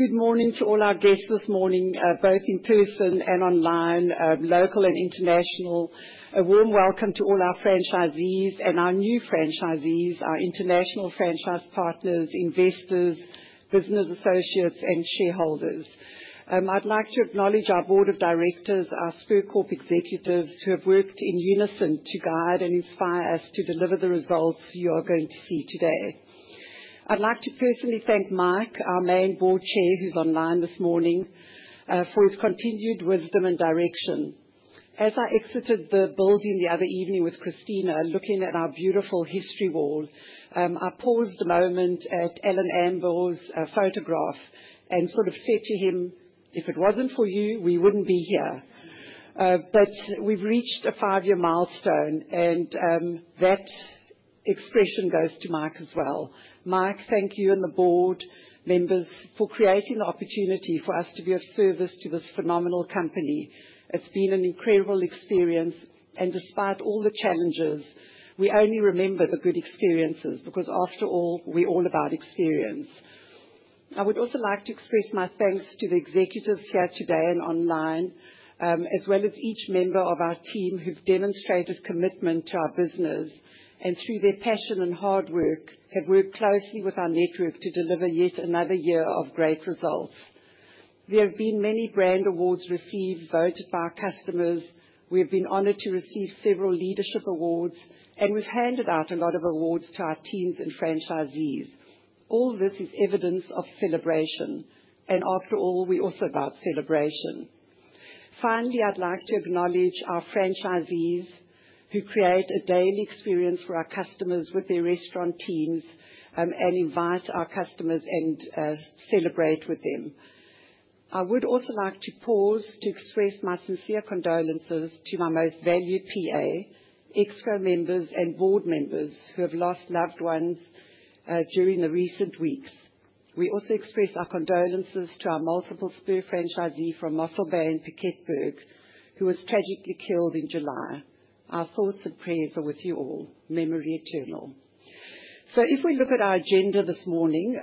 Good morning to all our guests this morning, both in person and online, local and international. A warm welcome to all our franchisees and our new franchisees, our international franchise partners, investors, business associates, and shareholders. I'd like to acknowledge our board of directors, our Spur Corp. executives, who have worked in unison to guide and inspire us to deliver the results you are going to see today. I'd like to personally thank Mark, our main board chair, who's online this morning, for his continued wisdom and direction. As I exited the building the other evening with Cristina, looking at our beautiful history wall, I paused a moment at Alan Campbell's photograph and sort of said to him, "If it wasn't for you, we wouldn't be here." We've reached a five-year milestone, and that expression goes to Mark as well. Mark, thank you and the board members for creating the opportunity for us to be of service to this phenomenal company. It's been an incredible experience, and despite all the challenges, we only remember the good experiences because, after all, we're all about experience. I would also like to express my thanks to the executives here today and online, as well as each member of our team who've demonstrated commitment to our business and, through their passion and hard work, have worked closely with our network to deliver yet another year of great results. There have been many brand awards received, voted by customers. We have been honored to receive several leadership awards, and we've handed out a lot of awards to our teams and franchisees. All this is evidence of celebration, and after all, we're also about celebration. Finally, I'd like to acknowledge our franchisees who create a daily experience for our customers with their restaurant teams, and invite our customers and celebrate with them. I would also like to pause to express my sincere condolences to my most valued PA, extra members, and board members who have lost loved ones during the recent weeks. We also express our condolences to our multiple Spur franchisees from Mussel Band to Kippford, who was tragically killed in July. Our thoughts and prayers are with you all. Memory eternal. If we look at our agenda this morning,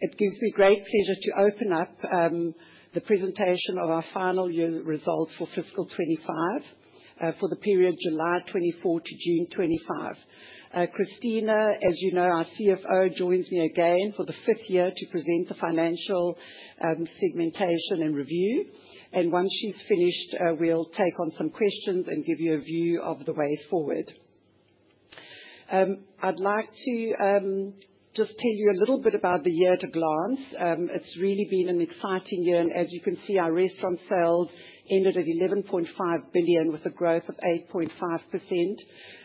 it gives me great pleasure to open up the presentation of our final year results for fiscal 2025, for the period July 2024 to June 2025. Cristina, as you know, our CFO, joins me again for the fifth year to present the financial, segmentation, and review. Once she's finished, we'll take on some questions and give you a view of the way forward. I'd like to just tell you a little bit about the year at a glance. It's really been an exciting year, and as you can see, our restaurant sales ended at R11.5 billion with a growth of 8.5%.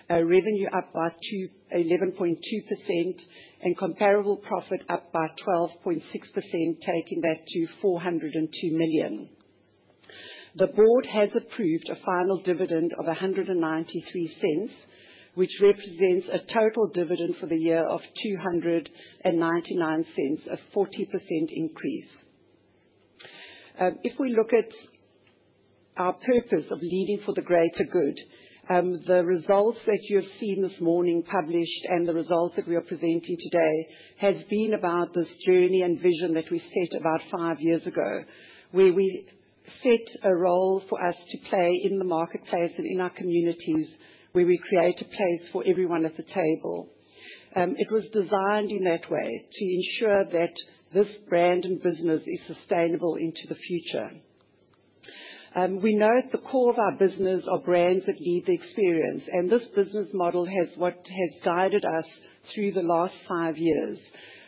Revenue up by 11.2% and comparable profit up by 12.6%, taking that to R402 million. The board has approved a final dividend of R1.93, which represents a total dividend for the year of R2.99, a 40% increase. If we look at our purpose of leading for the greater good, the results that you have seen this morning published and the results that we are presenting today have been about this journey and vision that we set about five years ago, where we set a role for us to play in the marketplace and in our communities, where we create a place for everyone at the table. It was designed in that way to ensure that this brand and business is sustainable into the future. We know at the core of our business are brands that lead the experience, and this business model has what has guided us through the last five years,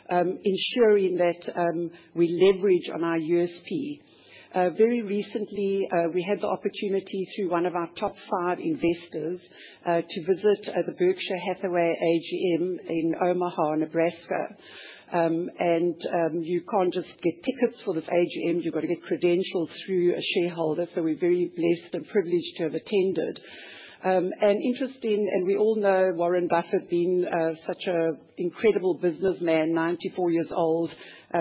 ensuring that we leverage on our USP. Very recently, we had the opportunity through one of our top five investors to visit the Berkshire Hathaway AGM in Omaha, Nebraska. You can't just get tickets for this AGM. You've got to get credentials through a shareholder, so we're very blessed and privileged to have attended. Interesting, and we all know Warren Buffett being such an incredible businessman, 94 years old,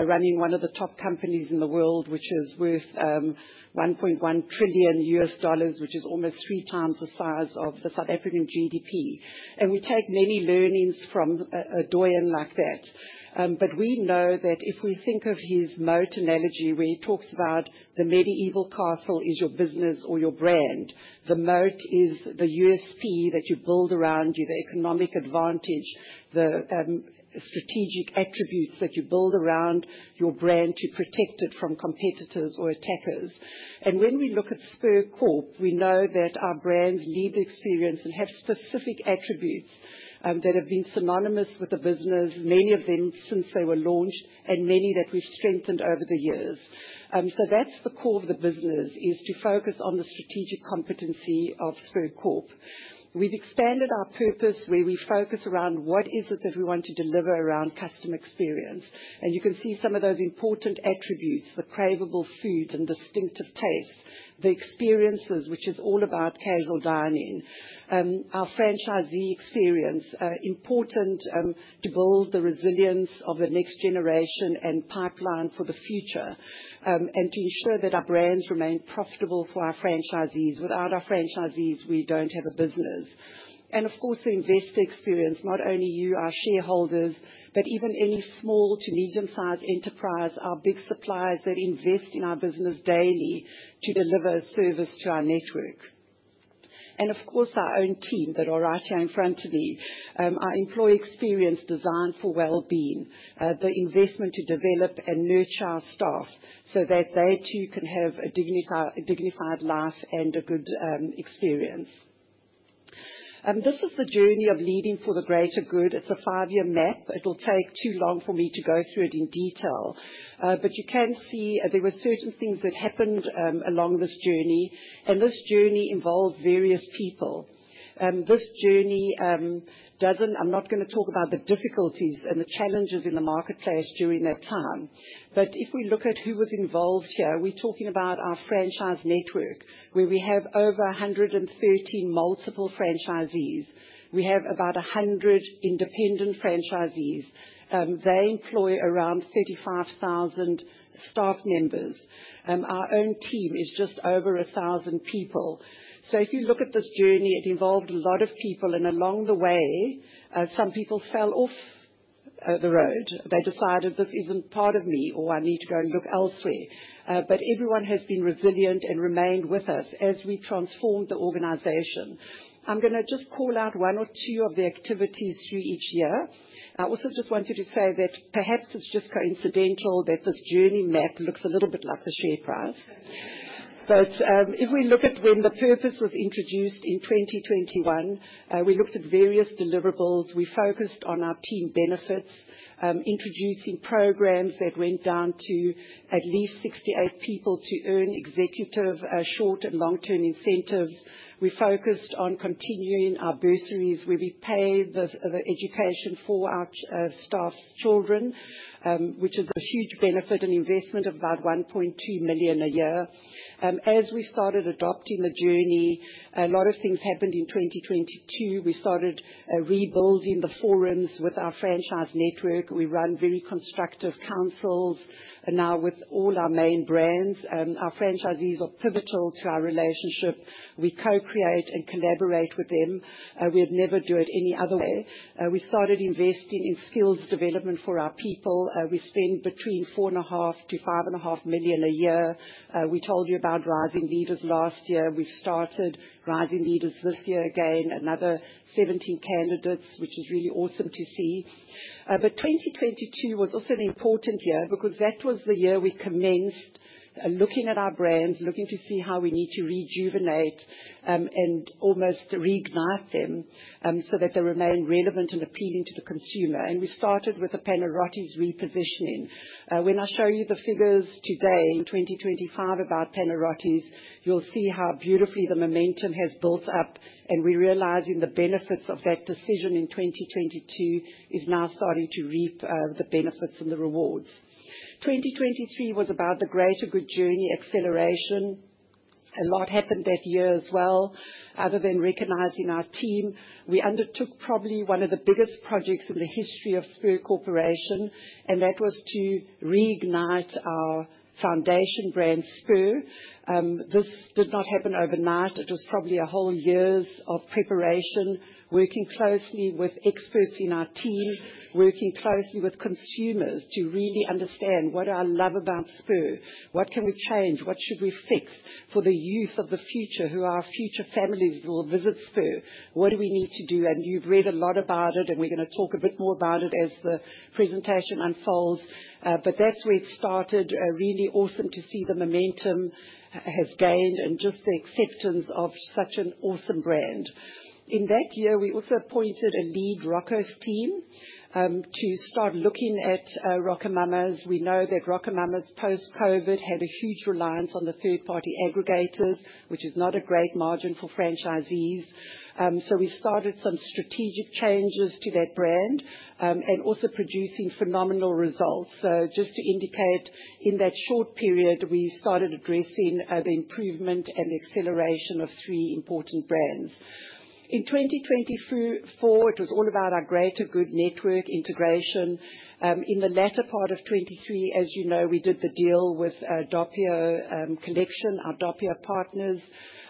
running one of the top companies in the world, which is worth $1.1 trillion, which is almost 3x the size of the South African GDP. We take many learnings from a doyen like that. If we think of his moat analogy, where he talks about the medieval castle is your business or your brand, the moat is the USP that you build around you, the economic advantage, the strategic attributes that you build around your brand to protect it from competitors or attackers. When we look at Spur Corp., we know that our brands lead the experience and have specific attributes that have been synonymous with the business, many of them since they were launched and many that we've strengthened over the years. The core of the business is to focus on the strategic competency of Spur Corp.. We've expanded our purpose where we focus around what is it that we want to deliver around customer experience. You can see some of those important attributes: the craveable food and distinctive taste, the experiences, which is all about casual dining, our franchisee experience, important to build the resilience of the next generation and pipeline for the future, and to ensure that our brands remain profitable for our franchisees. Without our franchisees, we don't have a business. Of course, the investor experience, not only you, our shareholders, but even any small to medium-sized enterprise, our big suppliers that invest in our business daily to deliver service to our network. Of course, our own team that are right here in front of me, our employee experience designed for well-being, the investment to develop and nurture our staff so that they, too, can have a dignified, dignified life and a good experience. This is the journey of leading for the greater good. It's a five-year map. It'll take too long for me to go through it in detail, but you can see, there were certain things that happened along this journey, and this journey involved various people. This journey doesn't, I'm not going to talk about the difficulties and the challenges in the marketplace during that time. If we look at who was involved here, we're talking about our franchise network, where we have over 113 multiple franchisees. We have about 100 independent franchisees. They employ around 35,000 staff members. Our own team is just over 1,000 people. If you look at this journey, it involved a lot of people, and along the way, some people fell off the road. They decided, "This isn't part of me," or, "I need to go and look elsewhere." Everyone has been resilient and remained with us as we transformed the organization. I'm going to just call out one or two of the activities through each year. I also just wanted to say that perhaps it's just coincidental that this journey map looks a little bit like a share price. If we look at when the purpose was introduced in 2021, we looked at various deliverables. We focused on our team benefits, introducing programs that went down to at least 68 people to earn executive, short and long-term incentives. We focused on continuing our bursaries, where we pay the education for our staff's children, which is a huge benefit, an investment of about 1.2 million a year. As we started adopting the journey, a lot of things happened in 2022. We started rebuilding the forums with our franchise network. We run very constructive councils, and now, with all our main brands, our franchisees are pivotal to our relationship. We co-create and collaborate with them. We'd never do it any other way. We started investing in skills development for our people. We spend between R4.5 million-R5.5 million a year. We told you about Rising Leaders last year. We've started Rising Leaders this year again, another 17 candidates, which is really awesome to see. 2022 was also an important year because that was the year we commenced looking at our brands, looking to see how we need to rejuvenate and almost reignite them so that they remain relevant and appealing to the consumer. We started with the Panarottis repositioning. When I show you the figures today in 2025 about Panarottis, you'll see how beautifully the momentum has built up, and we're realizing the benefits of that decision in 2022 is now starting to reap the benefits and the rewards. 2023 was about the greater good journey acceleration. A lot happened that year as well. Other than recognizing our team, we undertook probably one of the biggest projects in the history of Spur Corporation, and that was to reignite our foundation brand, Spur. This did not happen overnight. It was probably a whole year's preparation, working closely with experts in our team, working closely with consumers to really understand what do I love about Spur? What can we change? What should we fix for the youth of the future who are our future families who will visit Spur? What do we need to do? You've read a lot about it, and we're going to talk a bit more about it as the presentation unfolds. That's where it started. Really awesome to see the momentum has gained and just the acceptance of such an awesome brand. In that year, we also appointed a lead Roccos team to start looking at RocoMamas. We know that RocoMamas, post-COVID, had a huge reliance on the third-party aggregators, which is not a great margin for franchisees. We've started some strategic changes to that brand and also producing phenomenal results. Just to indicate, in that short period, we started addressing the improvement and the acceleration of three important brands. In 2024, it was all about our greater good network integration. In the latter part of 2023, as you know, we did the deal with Doppio Collection, our Doppio partners.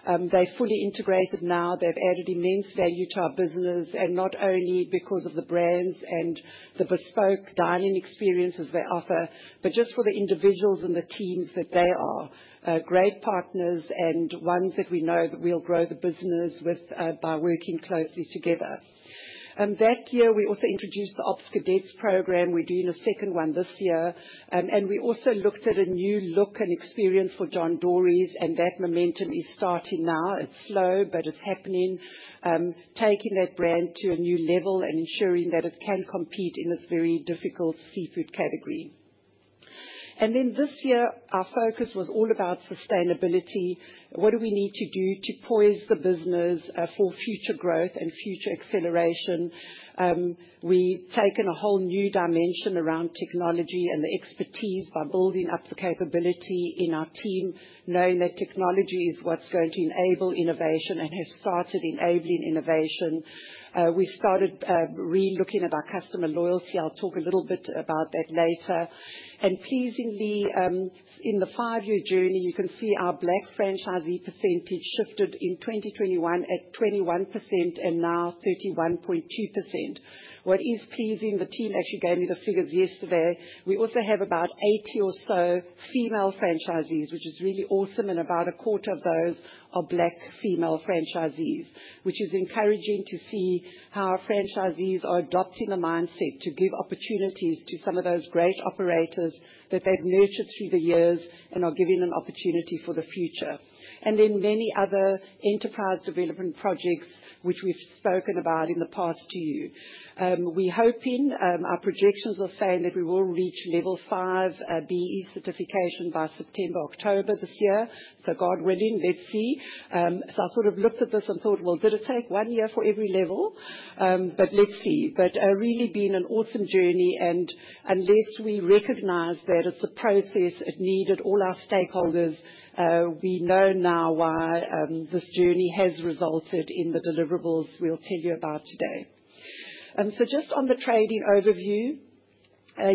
They're fully integrated now. They've added immense value to our business, and not only because of the brands and the bespoke dining experiences they offer, but just for the individuals and the teams that they are, great partners and ones that we know that we'll grow the business with by working closely together. That year, we also introduced the Ops Cadets program. We're doing a second one this year, and we also looked at a new look and experience for John Dory's, and that momentum is starting now. It's slow, but it's happening, taking that brand to a new level and ensuring that it can compete in this very difficult seafood category. This year, our focus was all about sustainability. What do we need to do to poise the business for future growth and future acceleration? We've taken a whole new dimension around technology and the expertise by building up the capability in our team, knowing that technology is what's going to enable innovation and has started enabling innovation. We've started really looking at our customer loyalty. I'll talk a little bit about that later. Pleasingly, in the five-year journey, you can see our black franchisee percentage shifted in 2021 at 21% and now 31.2%. What is pleasing the team, as you gave me the figures yesterday, we also have about 80 or so female franchisees, which is really awesome, and about a quarter of those are black female franchisees, which is encouraging to see how our franchisees are adopting a mindset to give opportunities to some of those great operators that they've nurtured through the years and are giving an opportunity for the future. There are many other enterprise development projects, which we've spoken about in the past to you. We're hoping, our projections are saying that we will reach level five BEE certification by September or October this year. God willing, let's see. I sort of looked at this and thought, did it take one year for every level? Let's see. It's really been an awesome journey, and unless we recognize that it's a process, it needed all our stakeholders. We know now why this journey has resulted in the deliverables we'll tell you about today. Just on the trading overview,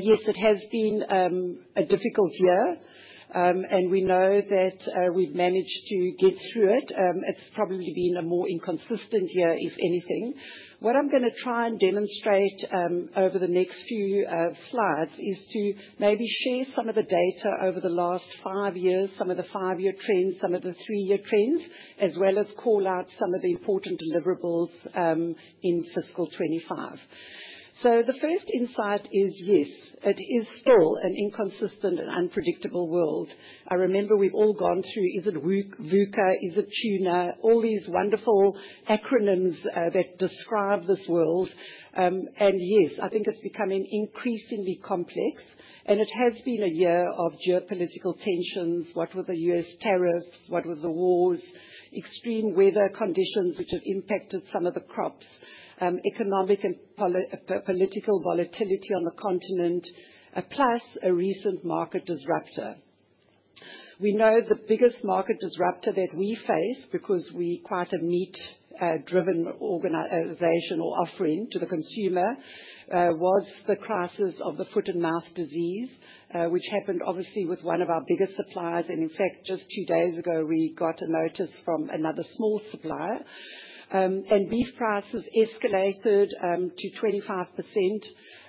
yes, it has been a difficult year, and we know that we've managed to get through it. It's probably been a more inconsistent year, if anything. What I'm going to try and demonstrate over the next few slides is to maybe share some of the data over the last five years, some of the five-year trends, some of the three-year trends, as well as call out some of the important deliverables in fiscal 2025. The first insight is, yes, it is still an inconsistent and unpredictable world. I remember we've all gone through, is it VUCA, is it TUNA, all these wonderful acronyms that describe this world. Yes, I think it's becoming increasingly complex, and it has been a year of geopolitical tensions. What were the U.S. tariffs? What were the wars? Extreme weather conditions, which have impacted some of the crops, economic and political volatility on the continent, plus a recent market disruptor. We know the biggest market disruptor that we faced, because we're quite a neat, driven organization or offering to the consumer, was the crisis of the foot-and-mouth disease, which happened, obviously, with one of our biggest suppliers. In fact, just two days ago, we got a notice from another small supplier, and beef prices escalated to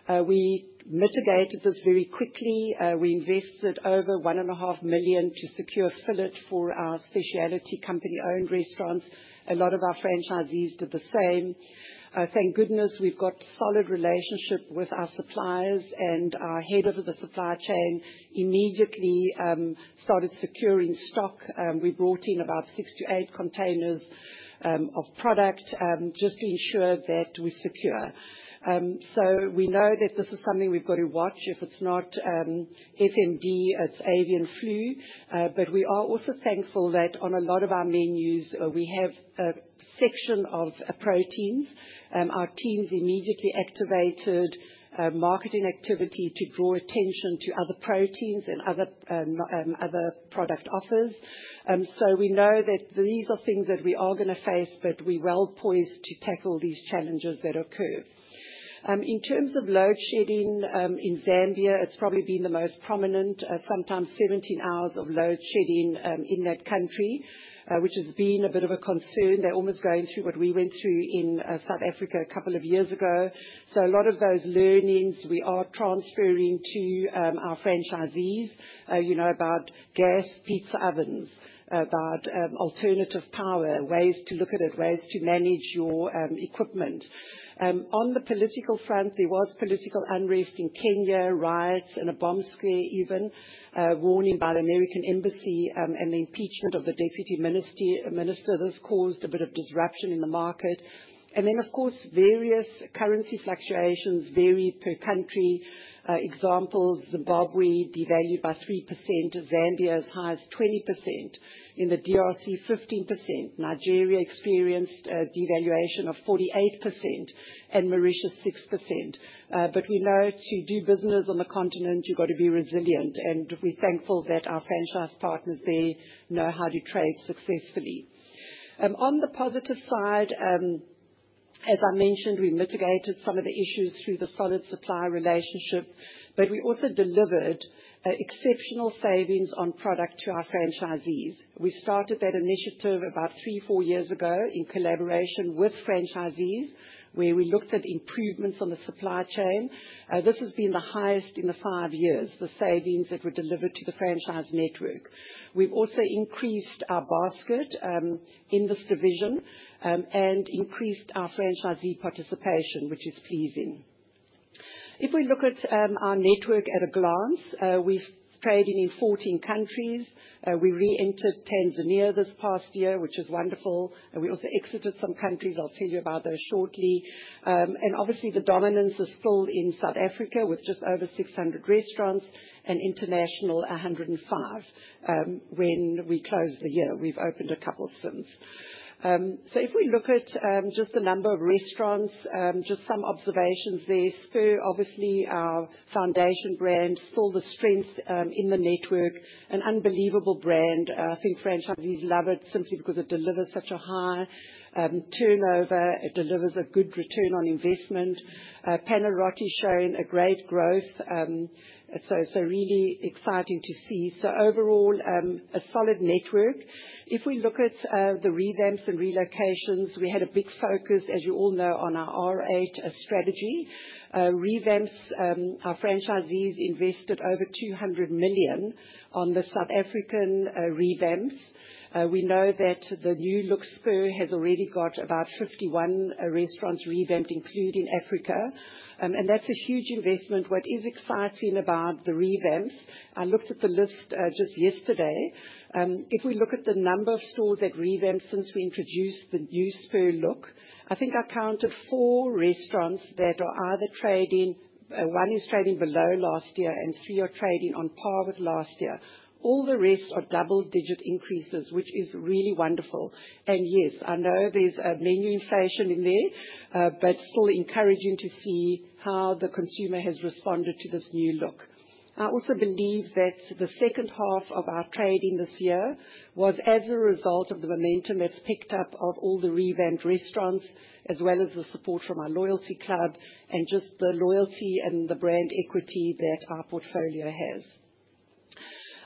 25%. We mitigated this very quickly. We invested over $1.5 million to secure fillet for our specialty company-owned restaurants. A lot of our franchisees did the same. Thank goodness, we've got a solid relationship with our suppliers, and our Head of the Supply Chain immediately started securing stock. We brought in about 68 containers of product just to ensure that we're secure. We know that this is something we've got to watch. If it's not F&B, it's avian flu. We are also thankful that on a lot of our menus, we have a section of proteins. Our teams immediately activated marketing activity to draw attention to other proteins and other product offers. We know that these are things that we are going to face, but we're well poised to tackle these challenges that occur. In terms of load shedding, in Zambia, it's probably been the most prominent, sometimes 17 hours of load shedding in that country, which has been a bit of a concern. They're almost going through what we went through in South Africa a couple of years ago. A lot of those learnings we are transferring to our franchisees, you know, about gas pizza ovens, about alternative power, ways to look at it, ways to manage your equipment. On the political front, there was political unrest in Kenya, riots, and a bomb scare even, warning by the American embassy, and the impeachment of the Deputy Minister, Minister. This caused a bit of disruption in the market. Of course, various currency fluctuations vary per country. For example, Zimbabwe devalued by 3%. Zambia as high as 20%. In the DRC, 15%. Nigeria experienced a devaluation of 48%. Mauritius, 6%. We know to do business on the continent, you've got to be resilient. We're thankful that our franchise partners, they know how to trade successfully. On the positive side, as I mentioned, we mitigated some of the issues through the solid supply relationship, but we also delivered exceptional savings on product to our franchisees. We started that initiative about three, four years ago in collaboration with franchisees, where we looked at improvements on the supply chain. This has been the highest in the five years, the savings that were delivered to the franchise network. We've also increased our basket in this division, and increased our franchisee participation, which is pleasing. If we look at our network at a glance, we're trading in 14 countries. We reentered Tanzania this past year, which is wonderful. We also exited some countries. I'll tell you about those shortly. Obviously, the dominance is still in South Africa with just over 600 restaurants and international 105. When we closed the year, we've opened a couple of firms. If we look at just the number of restaurants, just some observations there. Spur, obviously, our foundation brand, full of strength in the network. An unbelievable brand. I think franchisees love it simply because it delivers such a high turnover. It delivers a good return on investment. Panarottis showing a great growth, so really exciting to see. Overall, a solid network. If we look at the revamps and relocations, we had a big focus, as you all know, on our R8 strategy. Revamps, our franchisees invested over R200 million on the South African revamps. We know that the new look Spur has already got about 51 restaurants revamped, including Africa, and that's a huge investment. What is exciting about the revamps, I looked at the list just yesterday. If we look at the number of stores that revamped since we introduced the new Spur look, I think I counted four restaurants that are either trading, one is trading below last year, and three are trading on par with last year. All the rest are double-digit increases, which is really wonderful. Yes, I know there's a menu inflation in there, but still encouraging to see how the consumer has responded to this new look. I also believe that the second half of our trading this year was as a result of the momentum that's picked up of all the revamped restaurants, as well as the support from our loyalty club and just the loyalty and the brand equity that our portfolio has.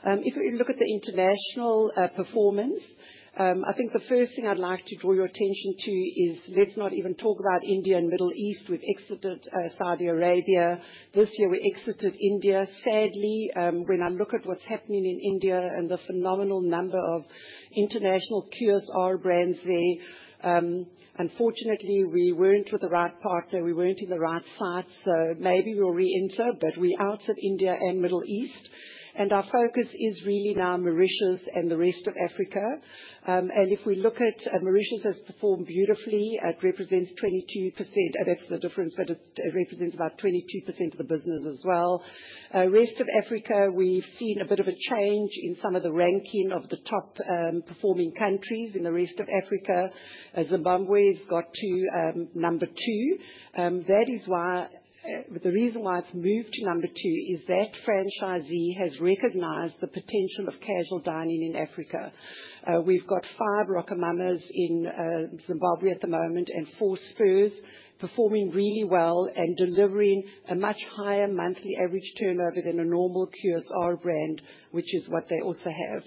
If we look at the international performance, I think the first thing I'd like to draw your attention to is let's not even talk about India and Middle East. We've exited Saudi Arabia. This year, we exited India. Sadly, when I look at what's happening in India and the phenomenal number of international TSR brands there, unfortunately, we weren't with the right partner. We weren't in the right site. Maybe we'll reenter, but we're out of India and Middle East. Our focus is really now Mauritius and the rest of Africa. If we look at Mauritius, it has performed beautifully. It represents 22%. I left the difference, but it represents about 22% of the business as well. Rest of Africa, we've seen a bit of a change in some of the ranking of the top performing countries in the rest of Africa. Zimbabwe's got to number two. The reason why it's moved to number two is that franchisee has recognized the potential of casual dining in Africa. We've got five RocoMamas in Zimbabwe at the moment and four Spurs performing really well and delivering a much higher monthly average turnover than a normal TSR brand, which is what they also have.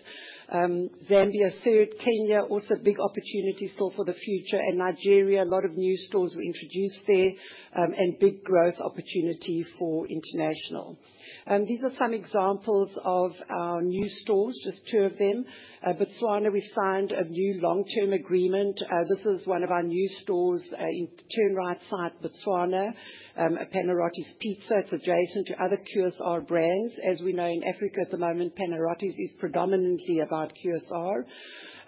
Zambia, third, Kenya, also a big opportunity store for the future. Nigeria, a lot of new stores were introduced there, and big growth opportunity for international. These are some examples of our new stores, just two of them. Botswana, we've signed a new long-term agreement. This is one of our new stores, in Turnwright site, Botswana. A Panarottis pizza. It's adjacent to other TSR brands. As we know, in Africa at the moment, Panarottis is predominantly about TSR.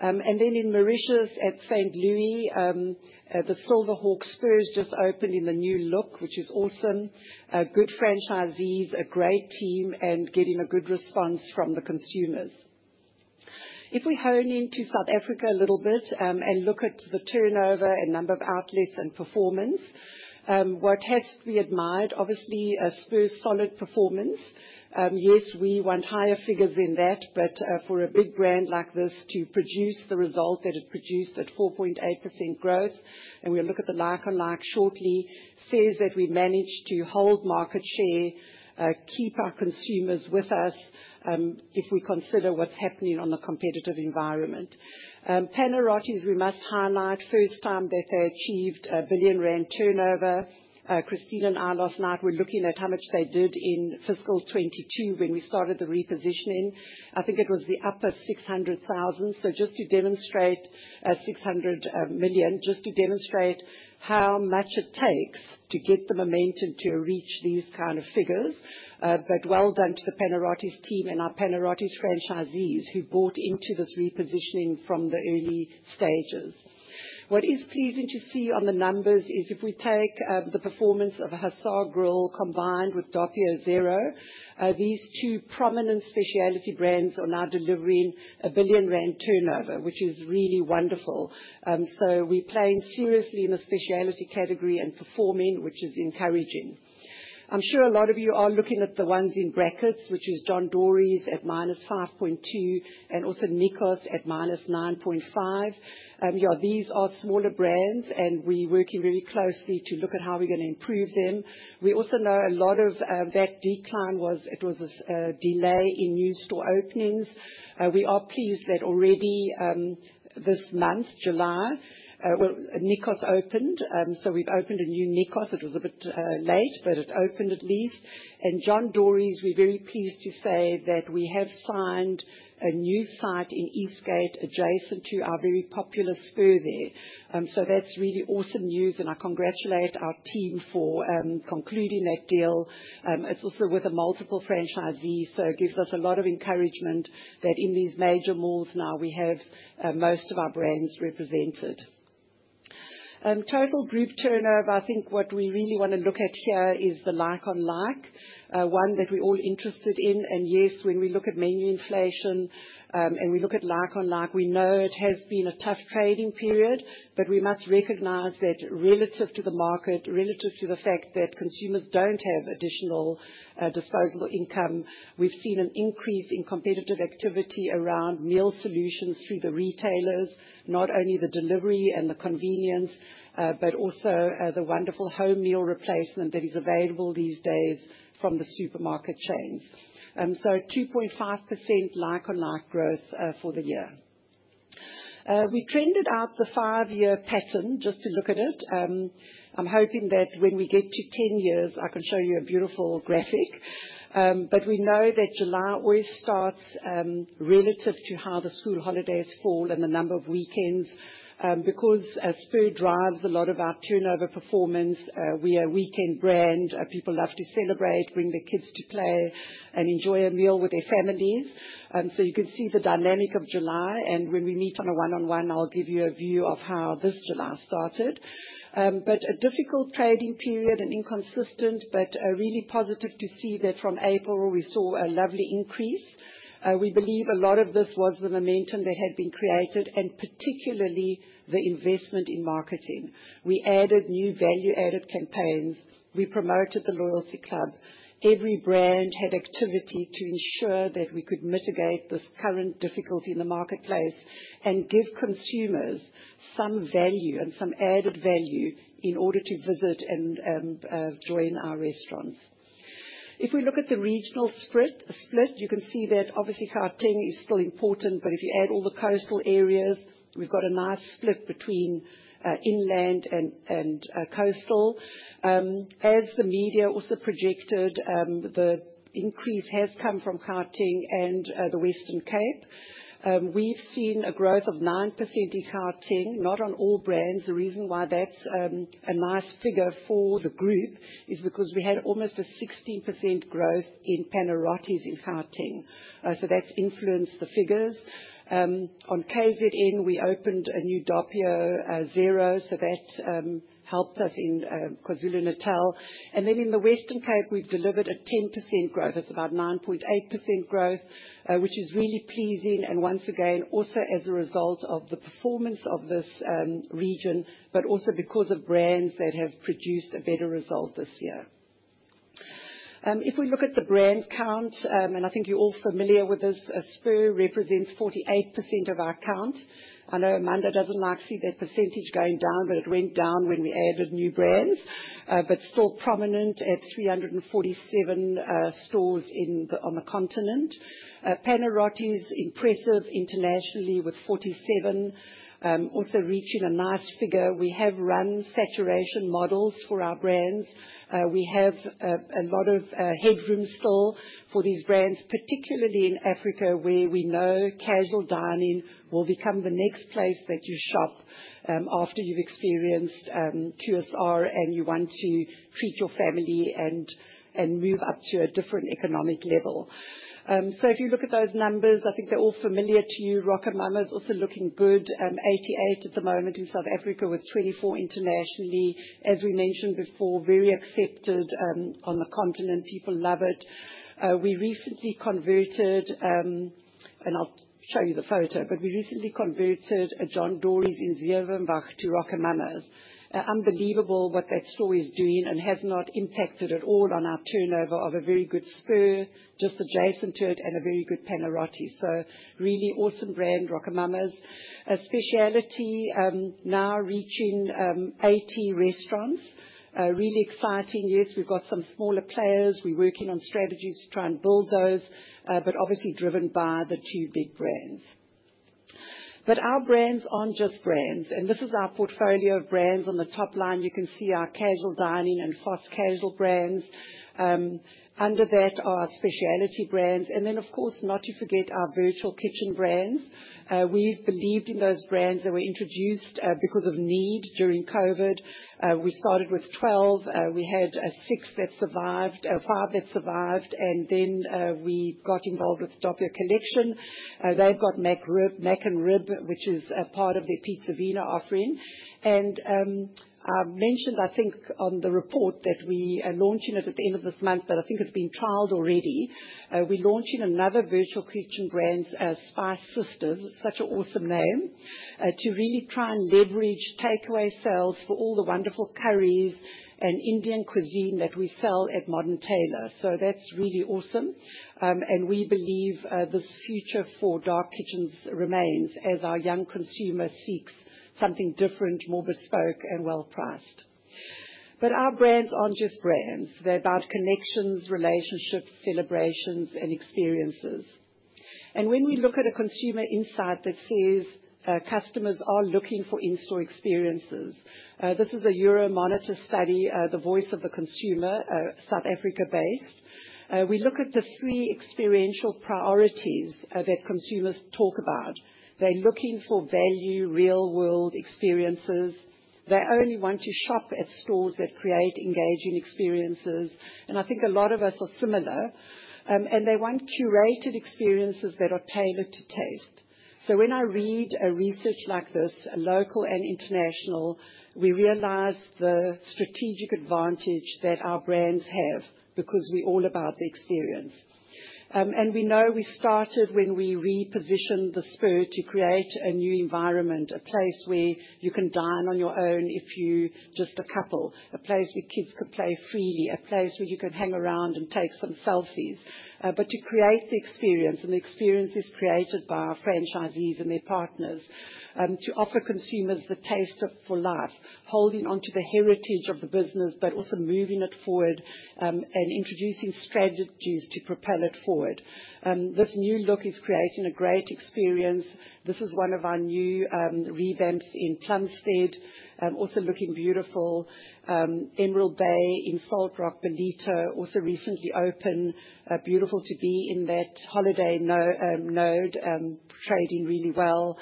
In Mauritius, at Saint Louis, the Silverhawk Spurs just opened in the new look, which is awesome. Good franchisees, a great team, and getting a good response from the consumers. If we hone into South Africa a little bit, and look at the turnover and number of outlets and performance, what has to be admired, obviously, Spur's solid performance. Yes, we want higher figures than that, but for a big brand like this to produce the result that it produced at 4.8% growth, and we'll look at the like and like shortly, says that we managed to hold market share, keep our consumers with us, if we consider what's happening on the competitive environment. Panarottis, we must highlight, first time that they achieved a billion-rand turnover. Cristina and I last night were looking at how much they did in fiscal 2022 when we started the repositioning. I think it was the upper R600,000. Just to demonstrate, R600 million, just to demonstrate how much it takes to get the momentum to reach these kind of figures. Well done to the Panarottis team and our Panarottis franchisees who bought into this repositioning from the early stages. What is pleasing to see on the numbers is if we take the performance of The Hussar Grill combined with Doppio Zero, these two prominent specialty brands are now delivering a billion-rand turnover, which is really wonderful. We're playing seriously in the specialty category and performing, which is encouraging. I'm sure a lot of you are looking at the ones in brackets, which is John Dory's at -5.2% and also Nikos at -9.5%. These are smaller brands, and we're working very closely to look at how we're going to improve them. We also know a lot of that decline was a delay in new store openings. We are pleased that already, this month, July, Nikos opened. We've opened a new Nikos. It was a bit late, but it opened at least. John Dory's, we're very pleased to say that we have signed a new site in Eastgate adjacent to our very popular Spur there. That's really awesome news, and I congratulate our team for concluding that deal. It's also with a multiple franchisee, so it gives us a lot of encouragement that in these major malls now, we have most of our brands represented. Total group turnover, I think what we really want to look at here is the like and like, one that we're all interested in. Yes, when we look at menu inflation, and we look at like and like, we know it has been a tough trading period, but we must recognize that relative to the market, relative to the fact that consumers don't have additional disposable income, we've seen an increase in competitive activity around meal solutions through the retailers, not only the delivery and the convenience, but also the wonderful home meal replacement that is available these days from the supermarket chains. So 2.5% like and like growth for the year. We trended out the five-year pattern just to look at it. I'm hoping that when we get to 10 years, I can show you a beautiful graphic. We know that July always starts relative to how the school holidays fall and the number of weekends, because Spur drives a lot of our turnover performance. We are a weekend brand. People love to celebrate, bring their kids to play, and enjoy a meal with their families. You can see the dynamic of July. When we meet on a one-on-one, I'll give you a view of how this July started. A difficult trading period and inconsistent, but really positive to see that from April, we saw a lovely increase. We believe a lot of this was the momentum that had been created and particularly the investment in marketing. We added new value-added campaigns. We promoted the loyalty club. Every brand had activity to ensure that we could mitigate this current difficulty in the marketplace and give consumers some value and some added value in order to visit and join our restaurants. If we look at the regional split, you can see that obviously our thing is still important, but if you add all the coastal areas, we've got a nice split between inland and coastal. As the media also projected, the increase has come from Gauteng and the Western Cape. We've seen a growth of 9% in Gauteng, not on all brands. The reason why that's a nice figure for the group is because we had almost a 16% growth in Panarottis in Gauteng, so that's influenced the figures. On COVID end, we opened a new Doppio Zero, so that helped us in KwaZulu-Natal. In the Western Cape, we've delivered a 10% growth. It's about 9.8% growth, which is really pleasing. Once again, also as a result of the performance of this region, but also because of brands that have produced a better result this year. If we look at the brand count, and I think you're all familiar with this, Spur represents 48% of our count. I know Amanda doesn't like to see that percentage going down, but it went down when we added new brands. It's still prominent at 347 stores on the continent. Panarottis is impressive internationally with 47, also reaching a nice figure. We have run saturation models for our brands. We have a lot of headroom still for these brands, particularly in Africa, where we know casual dining will become the next place that you shop after you've experienced TSR and you want to feed your family and move up to a different economic level. If you look at those numbers, I think they're all familiar to you. RocoMamas is also looking good, 88 at the moment in South Africa with 24 internationally. As we mentioned before, very accepted on the continent. People love it. We recently converted, and I'll show you the photo, but we recently converted a John Dory's in Zevenwacht to RocoMamas. Unbelievable what that store is doing and has not impacted at all on our turnover of a very good Spur just adjacent to it and a very good Panarottis. Really awesome brand, RocoMamas. Specialty now reaching 80 restaurants. Really exciting. Yes, we've got some smaller players. We're working on strategies to try and build those, obviously driven by the two big brands. Our brands aren't just brands. This is our portfolio of brands. On the top line, you can see our casual dining and fast casual brands. Under that are specialty brands. Of course, not to forget our virtual kitchen brands. We've believed in those brands. They were introduced because of need during COVID. We started with 12. We had six that survived, five that survived, and then we got involved with Doppio Collection. They've got Mac & Ryb, which is a part of their Pizza Villa offering. I mentioned, I think, on the report that we are launching at the end of this month that I think has been titled already. We're launching another virtual kitchen brand, Spice System. Such an awesome name, to really try and leverage takeaway sales for all the wonderful curries and Indian cuisine that we sell at Modern Tailors. That's really awesome, and we believe this future for dark kitchens remains as our young consumer seeks something different, more bespoke, and well-priced. Our brands aren't just brands. They're about connections, relationships, celebrations, and experiences. When we look at a consumer insight that says customers are looking for in-store experiences, this is a Euromonitor study, The Voice of the Consumer, South Africa-based. We look at the three experiential priorities that consumers talk about. They're looking for value, real-world experiences. They only want to shop at stores that create engaging experiences. I think a lot of us are similar, and they want curated experiences that are tailored to taste. When I read research like this, local and international, we realize the strategic advantage that our brands have because we're all about the experience. We know we started when we repositioned the Spur to create a new environment, a place where you can dine on your own if you're just a couple, a place where kids could play freely, a place where you can hang around and take some selfies. To create the experience, the experience is created by our franchisees and their partners to offer consumers the taste of for life, holding onto the heritage of the business, but also moving it forward and introducing strategy to propel it forward. This new look is creating a great experience. This is one of our new revamps in Chelmsford, also looking beautiful. Emerald Bay in Salt Rock Bonito also recently opened, beautiful to be in that holiday node, trading really well.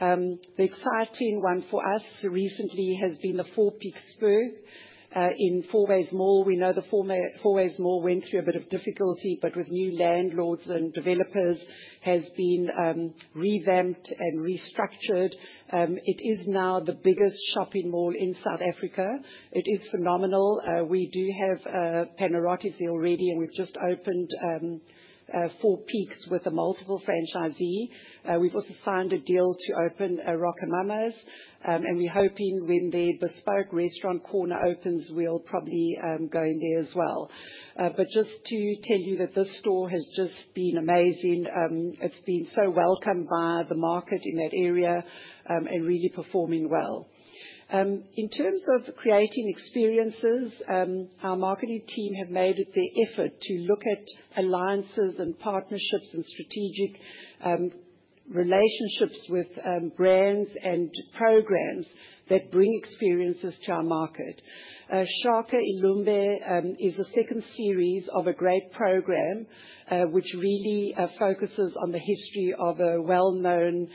The exciting one for us recently has been the Four Peaks Spur in Fourways Mall. We know the Fourways Mall went through a bit of difficulty, but with new landlords and developers, it has been revamped and restructured. It is now the biggest shopping mall in South Africa. It is phenomenal. We do have Panarottis there already, and we've just opened Four Peaks with a multiple franchisee. We've also signed a deal to open a RocoMamas, and we're hoping when their bespoke restaurant corner opens, we'll probably go in there as well. Just to tell you that this store has just been amazing. It's been so welcomed by the market in that area and really performing well. In terms of creating experiences, our marketing team have made it their effort to look at alliances and partnerships and strategic relationships with brands and programs that bring experiences to our market. Shaka iLembe is a second series of a great program, which really focuses on the history of a well-known,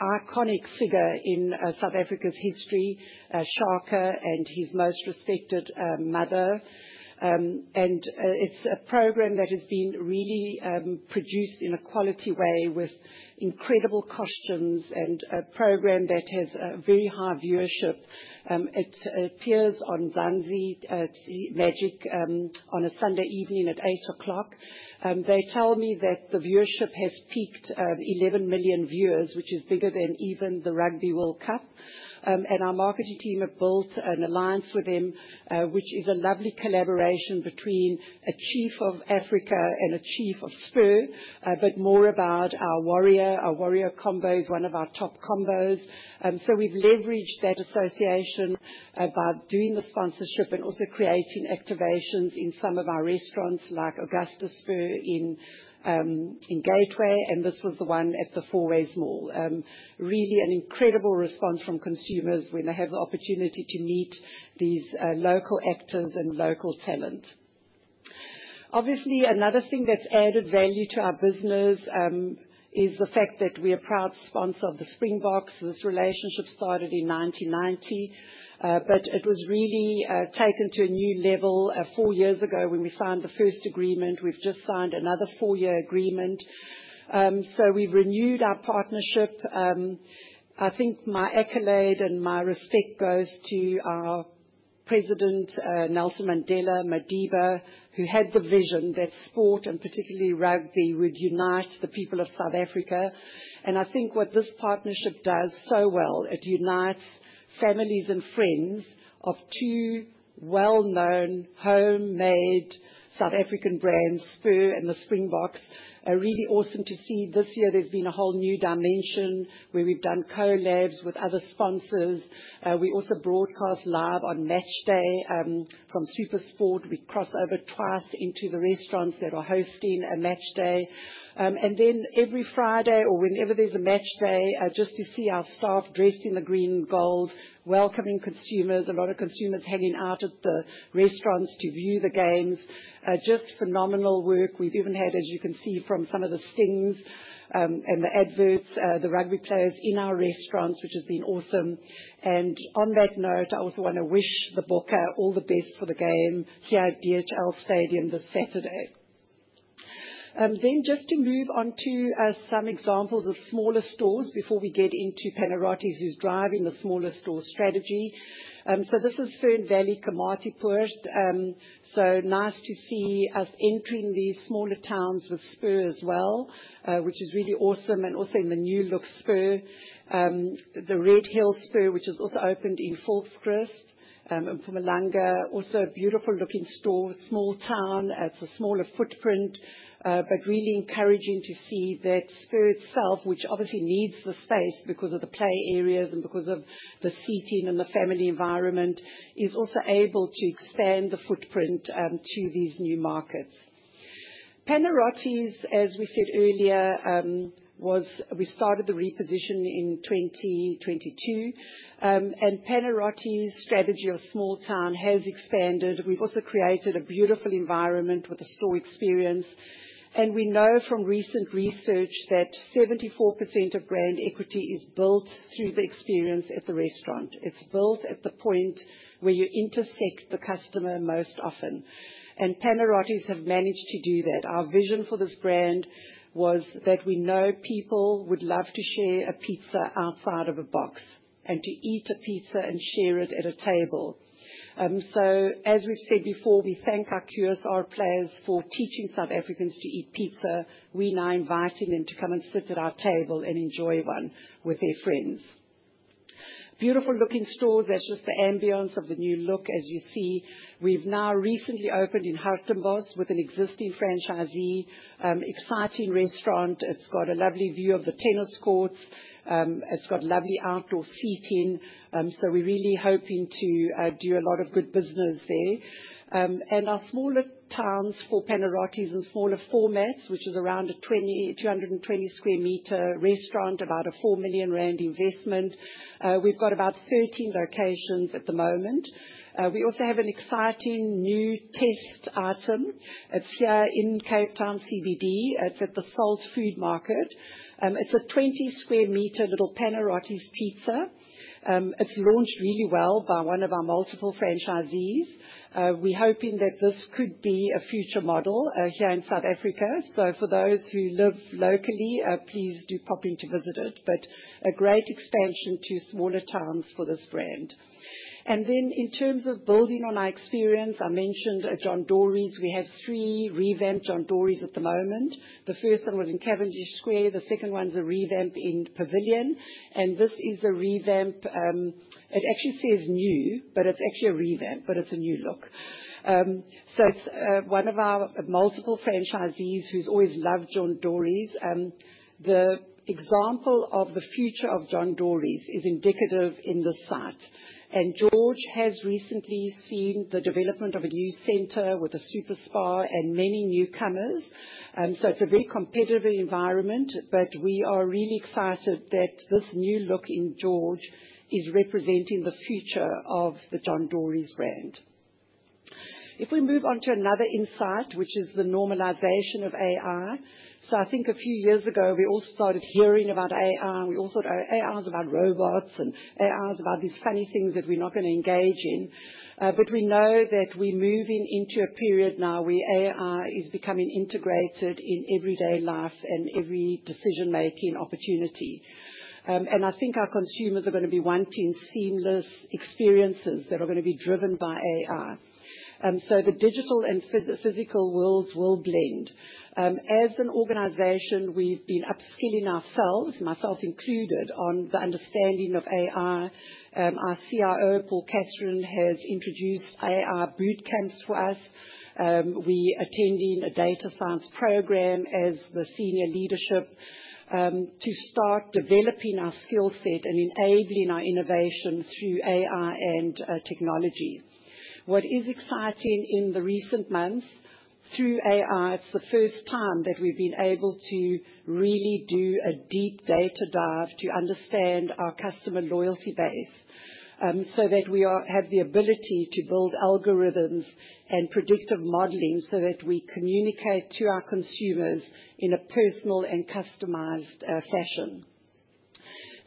iconic figure in South Africa's history, Shaka and his most respected mother. It's a program that has been really produced in a quality way with incredible costumes and a program that has very high viewership. It airs on Mzansi Magic on a Sunday evening at 8:00 P.M. They tell me that the viewership has peaked at 11 million viewers, which is bigger than even the Rugby World Cup. Our marketing team have built an alliance with them, which is a lovely collaboration between a chief of Africa and a chief of Spur, but more about our warrior. Our warrior combo is one of our top combos, so we've leveraged that association by doing the sponsorship and also creating activations in some of our restaurants like Augusta Spur in Gateway, and this was the one at the Fourways Mall. Really an incredible response from consumers when they have the opportunity to meet these local actors and local talent. Obviously, another thing that's added value to our business is the fact that we're a proud sponsor of the Springboks. This relationship started in 1990, but it was really taken to a new level four years ago when we signed the first agreement. We've just signed another four-year agreement, so we've renewed our partnership. I think my accolade and my respect goes to our president, Nelson Mandela Madiba, who had the vision that sport and particularly rugby would unite the people of South Africa. I think what this partnership does so well, it unites families and friends of two well-known homegrown South African brands, Spur and the Springboks. Really awesome to see. This year, there's been a whole new dimension where we've done collabs with other sponsors. We also broadcast live on Matchday from SuperSport. We cross over twice into the restaurants that are hosting a Matchday, and then every Friday or whenever there's a Matchday, just to see our staff dressed in the green and gold, welcoming consumers, a lot of consumers hanging out at the restaurants to view the games. Just phenomenal work. We've even had, as you can see from some of the sings and the adverts, the rugby players in our restaurants, which has been awesome. On that note, I also want to wish the Bokke all the best for the game. See you at DHL Stadium this Saturday. Just to move onto some examples of smaller stores before we get into Panarottis who's driving the smaller store strategy. This is Fern Valley, Komatipoort first. So nice to see us entering these smaller towns with Spur as well, which is really awesome, and also in the new look Spur. The Red Hill Spur, which has also opened in Falls Crest, and Fumilanga, also a beautiful-looking store, small town. It's a smaller footprint, but really encouraging to see that Spur itself, which obviously needs the space because of the play areas and because of the seating and the family environment, is also able to expand the footprint to these new markets. Panarottis, as we said earlier, was we started the repositioning in 2022. Panarottis' strategy of small town has expanded. We've also created a beautiful environment with a store experience. We know from recent research that 74% of brand equity is built through the experience at the restaurant. It's built at the point where you intersect the customer most often. Panarottis have managed to do that. Our vision for this brand was that we know people would love to share a pizza outside of a box and to eat a pizza and share it at a table. As we've said before, we thank our TSR players for teaching South Africans to eat pizza. We're now inviting them to come and sit at our table and enjoy one with their friends. Beautiful-looking stores. That's just the ambience of the new look, as you see. We've now recently opened in Hudson Buzz with an existing franchisee, exciting restaurant. It's got a lovely view of the tennis courts. It's got a lovely outdoor seating. We're really hoping to do a lot of good business there. Our smaller towns for Panarottis in smaller formats, which is around a 220-square-meter restaurant, about a R4 million investment. We've got about 13 locations at the moment. We also have an exciting new taste item. It's here in Cape Town CBD. It's at the Salt Food Market. It's a 20-square-meter little Panarottis pizza. It's launched really well by one of our multiple franchisees. We're hoping that this could be a future model here in South Africa. For those who live locally, please do pop in to visit it. A great expansion to smaller towns for this brand. In terms of building on our experience, I mentioned a John Dory's. We have three revamped John Dory's at the moment. The first one was in Cavendish Square. The second one's a revamp in Pavilion. This is a revamp, it actually says new, but it's actually a revamp, but it's a new look. It's one of our multiple franchisees who's always loved John Dory's. The example of the future of John Dory's is indicative in the site. George has recently seen the development of a new center with a Super Spar and many newcomers. It's a very competitive environment, but we are really excited that this new look in George is representing the future of the John Dory's brand. If we move on to another insight, which is the normalization of AI. I think a few years ago, we all started hearing about AI, and we all thought, AI's about robots and AI's about these funny things that we're not going to engage in. We know that we're moving into a period now where AI is becoming integrated in everyday life and every decision-making opportunity. I think our consumers are going to be wanting seamless experiences that are going to be driven by AI. The digital and physical worlds will blend. As an organization, we've been upskilling ourselves, myself included, on the understanding of AI. Our CIO, Paul Casarin, has introduced AI bootcamps for us. We're attending a data science program as the Senior Leadership, to start developing our skill set and enabling our innovation through AI and technology. What is exciting in the recent months, through AI, it's the first time that we've been able to really do a deep data dive to understand our customer loyalty base, so that we have the ability to build algorithms and predictive modeling so that we communicate to our consumers in a personal and customized fashion.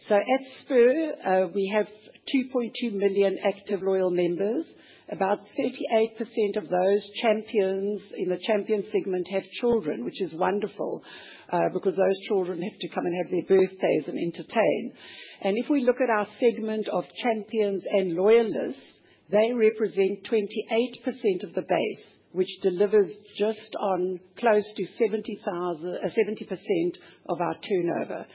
At Spur, we have 2.2 million active loyal members. About 78% of those champions in the champion segment have children, which is wonderful, because those children have to come and have their birthdays and entertain. If we look at our segment of champions and loyalists, they represent 28% of the base, which delivers just on close to 70% of our turnover.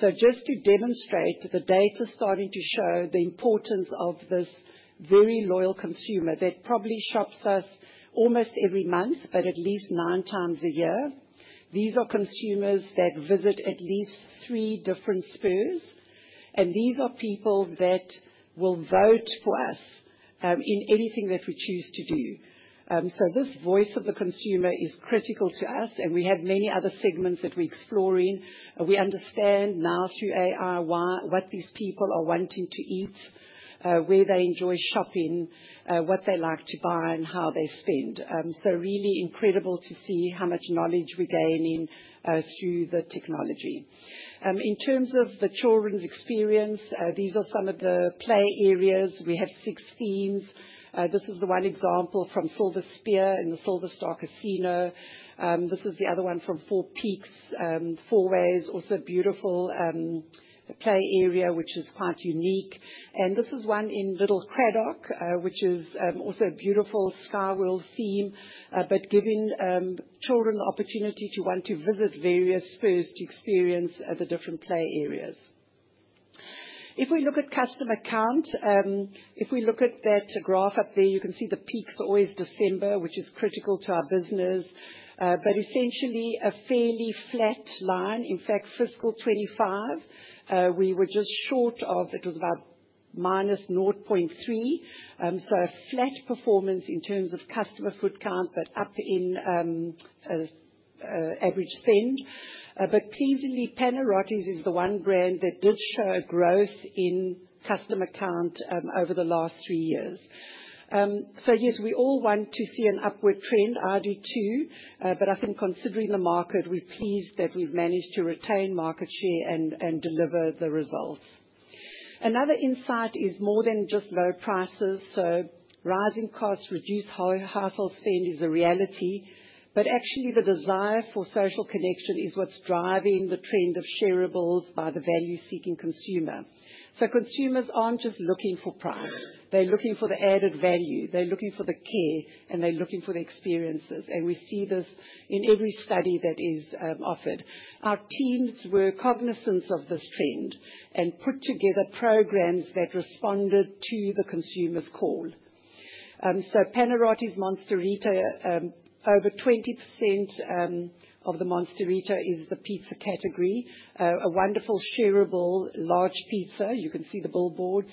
This demonstrates that the data's starting to show the importance of this very loyal consumer that probably shops us almost every month, but at least 9x a year. These are consumers that visit at least three different Spurs, and these are people that will vote for us in anything that we choose to do. This voice of the consumer is critical to us, and we have many other segments that we're exploring. We understand now through AI what these people are wanting to eat, where they enjoy shopping, what they like to buy, and how they spend. It's really incredible to see how much knowledge we're gaining through the technology. In terms of the children's experience, these are some of the play areas. We have six themes. This is the one example from Silver Spur in the Silver Star Casino. This is the other one from Four Peaks, Fourways, also a beautiful play area, which is quite unique. This is one in Little Cradock, which is also a beautiful Skyworld theme, but giving children the opportunity to want to visit various Spurs to experience the different play areas. If we look at customer count, if we look at that graph up there, you can see the peaks are always December, which is critical to our business, but essentially, a fairly flat line. In fact, fiscal 2025 we were just short of it, it was about -0.3%, so a flat performance in terms of customer foot count, but up in average spend. Pleasingly, Panarottis is the one brand that did show a growth in customer count over the last three years. We all want to see an upward trend, RD2. I think considering the market, we're pleased that we've managed to retain market share and deliver the results. Another insight is more than just low prices. Rising costs, reduced household spend is a reality, but actually, the desire for social connection is what's driving the trend of shareables by the value-seeking consumer. Consumers aren't just looking for prime, they're looking for the added value, they're looking for the care, and they're looking for the experiences. We see this in every study that is offered. Our teams were cognizant of this trend and put together programs that responded to the consumer's call. Panarottis Monsterita, over 20% of the Monsterita is the pizza category, a wonderful shareable large pizza. You can see the billboards,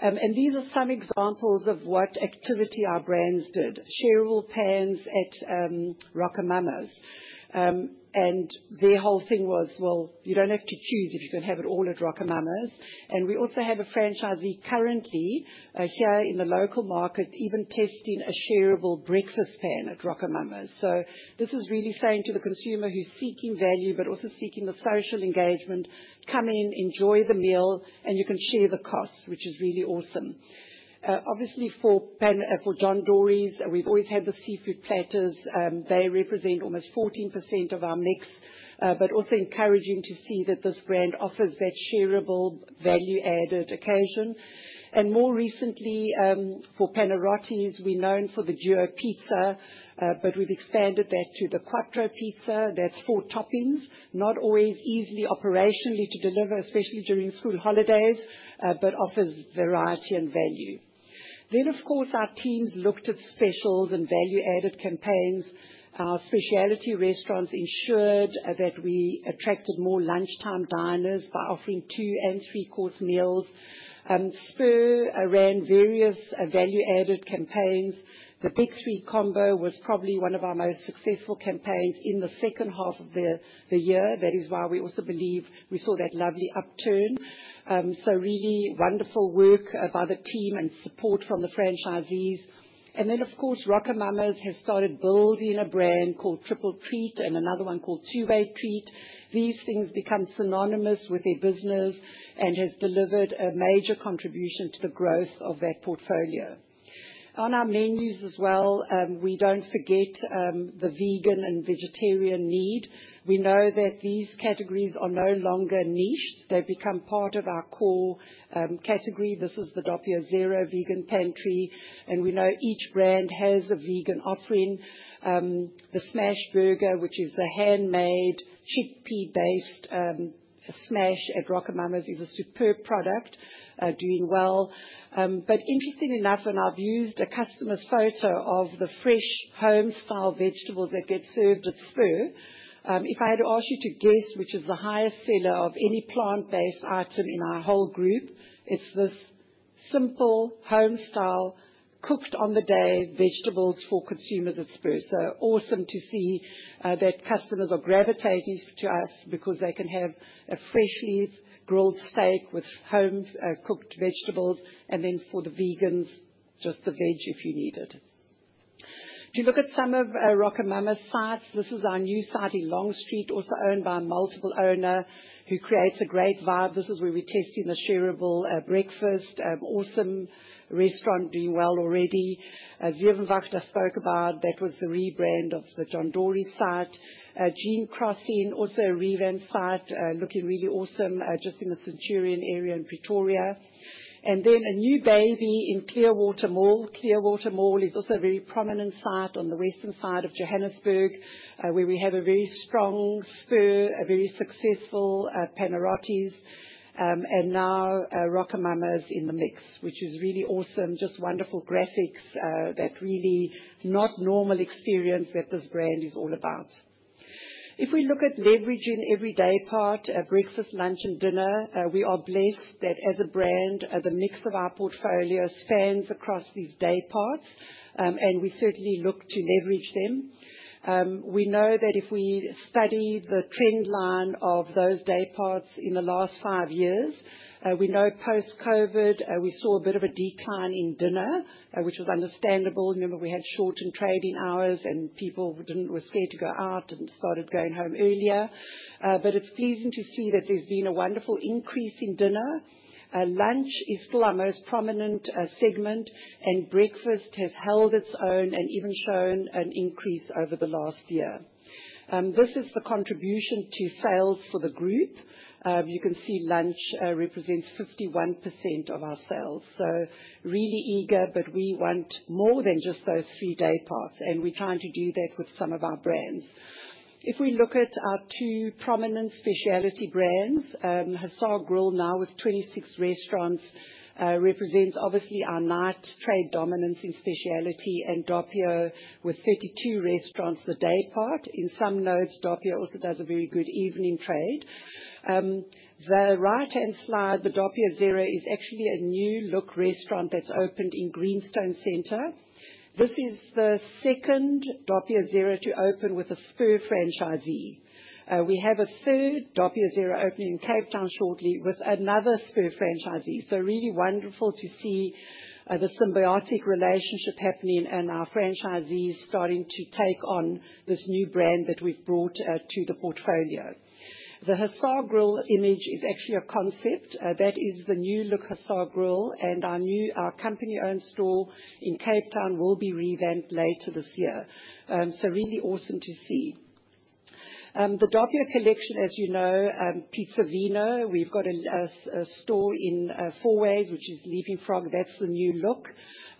and these are some examples of what activity our brands did. Shareable pans at RocoMamas, and their whole thing was, you don't have to choose if you can have it all at RocoMamas. We also have a franchisee currently here in the local markets even testing a shareable breakfast pan at RocoMamas. This is really saying to the consumer who's seeking value but also seeking the social engagement, come in, enjoy the meal, and you can share the cost, which is really awesome. Obviously, for Panarottis, for John Dory's, we've always had the seafood platters. They represent almost 14% of our mix, but also encouraging to see that this brand offers that shareable value-added occasion. More recently, for Panarottis, we're known for the duo pizza, but we've expanded that to the quattro pizza. That's four toppings, not always easily operationally to deliver, especially during school holidays, but offers variety and value. Then, of course, our teams looked at specials and value-added campaigns. Our specialty restaurants ensured that we attracted more lunchtime diners by offering two and three-course meals. Spur ran various value-added campaigns. The Big Three combo was probably one of our most successful campaigns in the second half of the year. That is why we also believe we saw that lovely upturn. Really wonderful work by the team and support from the franchisees. Of course, RocoMamas has started building a brand called Triple Treat and another one called Two-Way Treat. These things become synonymous with their business and have delivered a major contribution to the growth of their portfolio. On our menus as well, we don't forget the vegan and vegetarian need. We know that these categories are no longer niche. They've become part of our core category. This is the Doppio Zero vegan pantry. We know each brand has a vegan offering. The smash burger, which is the handmade, chickpea-based smash at RocoMamas, is a superb product, doing well. Interesting enough, and I've used a customer's photo of the fresh, home-style vegetables that get served at Spur. If I had asked you to guess which is the highest seller of any plant-based item in our whole group, it's this simple, home-style, cooked-on-the-day vegetables for consumers at Spur. Awesome to see that customers are gravitating to us because they can have a freshly grilled steak with home-cooked vegetables, and then for the vegans, just the veg if you need it. If you look at some of RocoMamas sites, this is our new site in Long Street, also owned by a multiple owner who creates a great vibe. This is where we're testing the shareable breakfast. Awesome restaurant doing well already. Zevenwacht I spoke about. That was the rebrand of the John Dory's site. Jean Crossing, also a revamped site, looking really awesome, just in the Centurion area in Pretoria. A new baby in Clearwater Mall. Clearwater Mall is also a very prominent site on the western side of Johannesburg, where we have a very strong Spur, a very successful Panarottis, and now RocoMamas in the mix, which is really awesome. Just wonderful graphics, that really not normal experience that this brand is all about. If we look at leveraging every day part, breakfast, lunch, and dinner, we are blessed that as a brand, the mix of our portfolio spans across these day parts, and we certainly look to leverage them. We know that if we study the trend line of those day parts in the last five years, we know post-COVID, we saw a bit of a decline in dinner, which was understandable. You remember we had shortened trading hours, and people were scared to go out and started going home earlier. It's pleasing to see that there's been a wonderful increase in dinner. Lunch is still our most prominent segment, and breakfast has held its own and even shown an increase over the last year. This is the contribution to sales for the group. You can see lunch represents 51% of our sales. We are really eager, but we want more than just those three day parts, and we're trying to do that with some of our brands. If we look at our two prominent specialty brands, The Hussar Grill now with 26 restaurants represents obviously our night trade dominance in specialty, and Doppio with 32 restaurants the day part. In some notes, Doppio also does a very good evening trade. The right-hand side, the Doppio Zero is actually a new look restaurant that's opened in Greenstone Centre. This is the second Doppio Zero to open with a Spur franchisee. We have a third Doppio Zero opening in Cape Town shortly with another Spur franchisee. It's really wonderful to see the symbiotic relationship happening and our franchisees starting to take on this new brand that we've brought to the portfolio. The Hussar Grill image is actually a concept. That is the new look The Hussar Grill, and our new company-owned store in Cape Town will be revamped later this year. It's really awesome to see. The Doppio Collection, as you know, Pizza Villa, we've got a store in Fourways, which is Living Frog. That's the new look,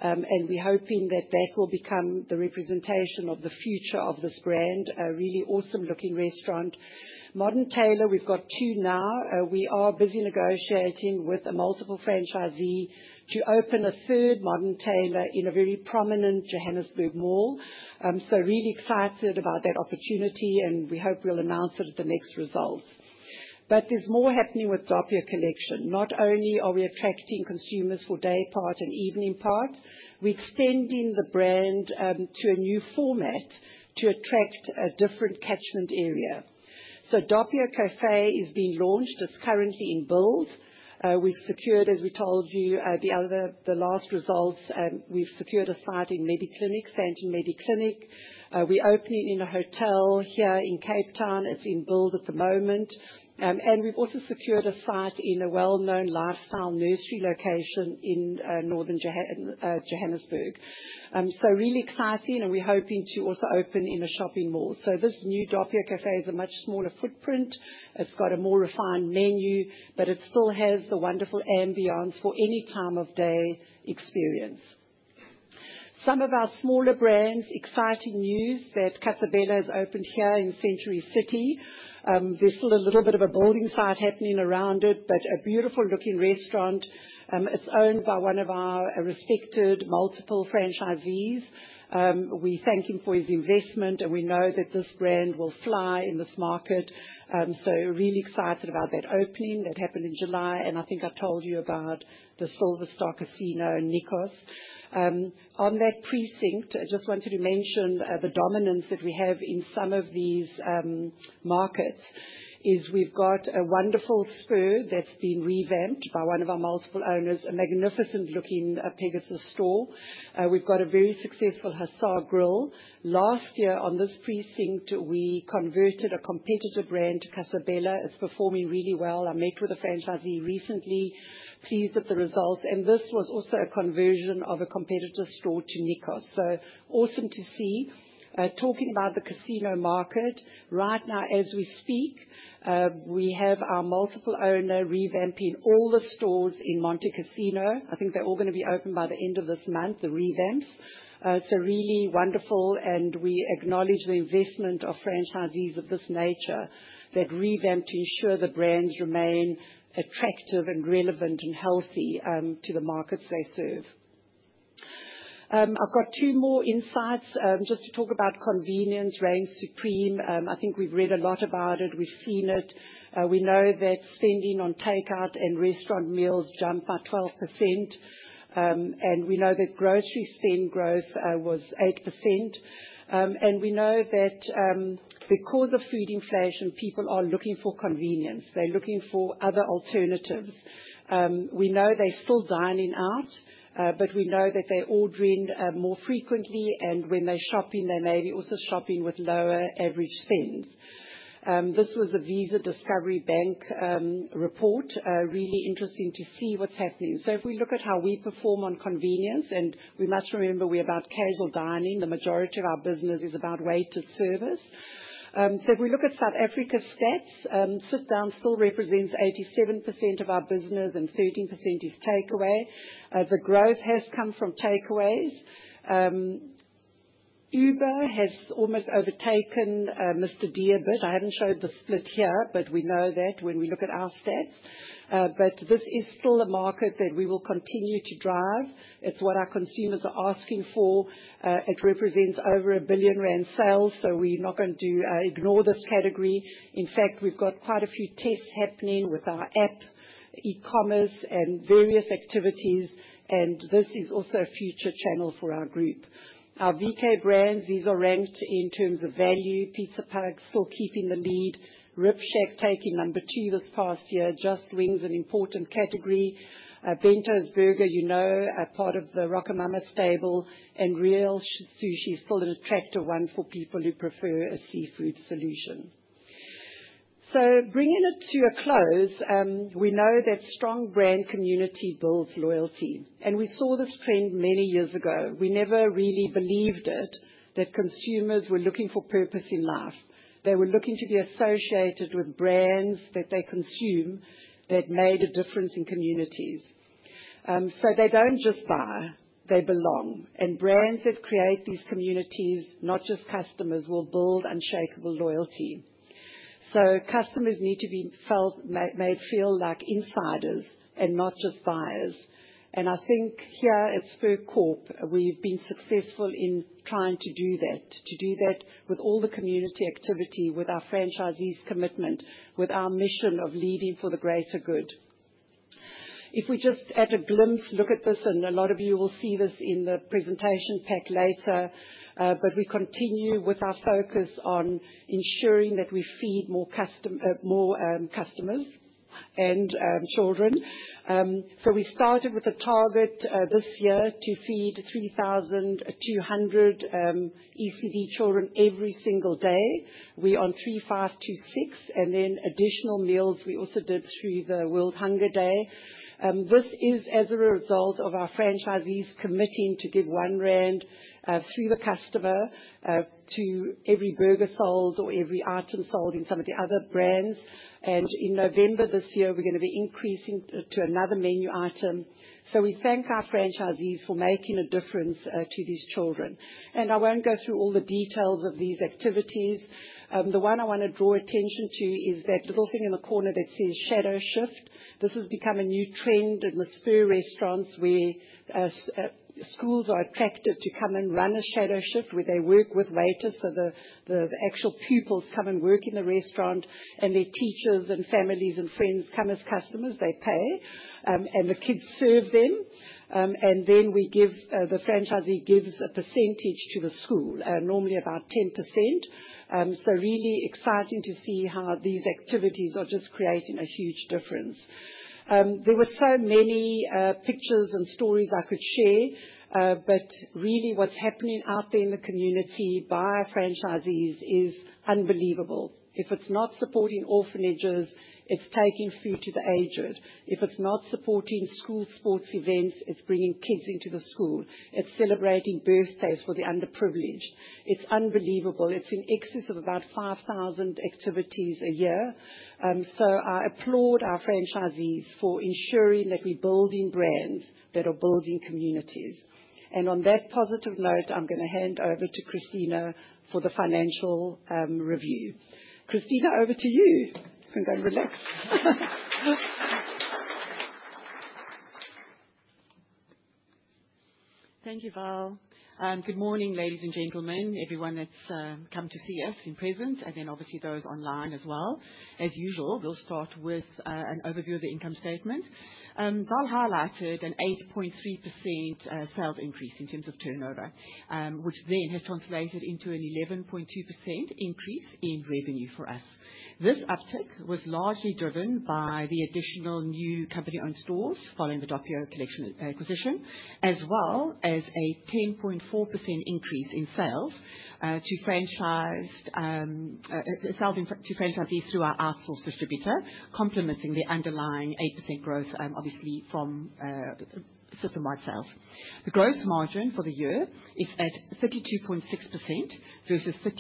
and we're hoping that will become the representation of the future of this brand, a really awesome-looking restaurant. Modern Tailors, we've got two now. We are busy negotiating with a multiple franchisee to open a third Modern Tailors in a very prominent Johannesburg mall. We're really excited about that opportunity, and we hope we'll announce it at the next results. There's more happening with Doppio Collection. Not only are we attracting consumers for day part and evening part, we're extending the brand to a new format to attract a different catchment area. Doppio Cafe is being launched. It's currently in build. We've secured, as we told you at the last results, a site in Mediclinic, Fenton Mediclinic. We're opening in a hotel here in Cape Town. It's in build at the moment, and we've also secured a site in a well-known lifestyle nursery location in northern Johannesburg. Really exciting, and we're hoping to also open in a shopping mall. This new Doppio Cafe has a much smaller footprint. It's got a more refined menu, but it still has a wonderful ambiance for any time-of-day experience. Some of our smaller brands, exciting news that Casa Bella's opened here in Century City. There's still a little bit of a building site happening around it, but a beautiful-looking restaurant. It's owned by one of our respected multiple franchisees. We thank him for his investment, and we know that this brand will fly in this market. Really excited about that opening that happened in July. I think I told you about the Silverstar Casino and Nikos. On that precinct, I just wanted to mention the dominance that we have in some of these markets. We've got a wonderful Spur that's been revamped by one of our multiple owners, a magnificent-looking Pegasus store. We've got a very successful Hussar Grill. Last year, on this precinct, we converted a competitor brand to Casa Bella. It's performing really well. Our maker of the franchisee recently teased at the results. This was also a conversion of a competitor store to Nikos. Awesome to see. Talking about the casino market, right now as we speak, we have our multiple owner revamping all the stores in Monte Casino. I think they're all going to be open by the end of this month, the revamps. Really wonderful, and we acknowledge the investment of franchisees of this nature that revamp to ensure the brands remain attractive and relevant and healthy to the markets they serve. I've got two more insights, just to talk about convenience reigning supreme. I think we've read a lot about it. We've seen it. We know that spending on takeout and restaurant meals jumped by 12%. We know that grocery spend growth was 8%. We know that, because of food inflation, people are looking for convenience. They're looking for other alternatives. We know they're still dining out, but we know that they're ordering more frequently, and when they're shopping, they may be also shopping with lower average spend. This was a Visa Discovery Bank report. Really interesting to see what's happening. If we look at how we perform on convenience, we must remember we're about table dining. The majority of our business is about wait-to-service. If we look at South Africa's stats, sit down still represents 87% of our business and 13% is takeaway. The growth has come from takeaways. Uber has almost overtaken Mr. D, but I haven't showed the split here, but we know that when we look at our stats. This is still a market that we will continue to drive. It's what our consumers are asking for. It represents over R1 billion sales, so we're not going to ignore this category. In fact, we've got quite a few tests happening with our app, e-commerce, and various activities, and this is also a future channel for our group. Our virtual kitchen brands, these are ranked in terms of value. Pizza Pug still keeping the lead. Rib Shack taking number two this past year, Just Wings, an important category. Bento's Burger, you know, a part of the RocoMamas table. Real Sushi is still an attractive one for people who prefer a seafood solution. Bringing it to a close, we know that strong brand community builds loyalty. We saw this trend many years ago. We never really believed it, that consumers were looking for purpose in life. They were looking to be associated with brands that they consume that made a difference in communities. They don't just buy. They belong. Brands that create these communities, not just customers, will build unshakable loyalty. Customers need to be made to feel like insiders and not just buyers. I think here at Spur Corp., we've been successful in trying to do that, to do that with all the community activity, with our franchisees' commitment, with our mission of leading for the greater good. If we just at a glimpse look at this, and a lot of you will see this in the presentation pack later, we continue with our focus on ensuring that we feed more customers and children. We started with a target this year to feed 3,200 ECD children every single day. We're on 3,526, and then additional meals we also did through the World Hunger Day. This is as a result of our franchisees committing to give R1, through the customer, to every burger sold or every item sold in some of the other brands. In November this year, we're going to be increasing to another menu item. We thank our franchisees for making a difference to these children. I won't go through all the details of these activities. The one I want to draw attention to is that little thing in the corner that says shadow shift. This has become a new trend in the Spur restaurants where schools are attracted to come and run a shadow shift where they work with waiters. The actual pupils come and work in the restaurant, and their teachers and families and friends come as customers. They pay, and the kids serve them, and then the franchisee gives a percentage to the school, normally about 10%. It is really exciting to see how these activities are just creating a huge difference. There were so many pictures and stories I could share, but really what's happening out there in the community by our franchisees is unbelievable. If it's not supporting orphanages, it's taking food to the aged. If it's not supporting school sports events, it's bringing kids into the school. It's celebrating birthdays for the underprivileged. It's unbelievable. It's in excess of about 5,000 activities a year. I applaud our franchisees for ensuring that we're building brands that are building communities. On that positive note, I'm going to hand over to Cristina for the financial review. Cristina, over to you. I think I'm relaxed. Thank you, Val. Good morning, ladies and gentlemen, everyone that's come to see us in person, and then obviously those online as well. As usual, we'll start with an overview of the income statement. Val highlighted an 8.3% sales increase in terms of turnover, which then has translated into an 11.2% increase in revenue for us. This uptick was largely driven by the additional new company-owned stores following the Doppio Collection acquisition, as well as a 10.4% increase in sales to franchised sales to franchisees through our outsource distributor, complementing the underlying 8% growth from the supermarket sales. The gross margin for the year is at 32.6% versus 32%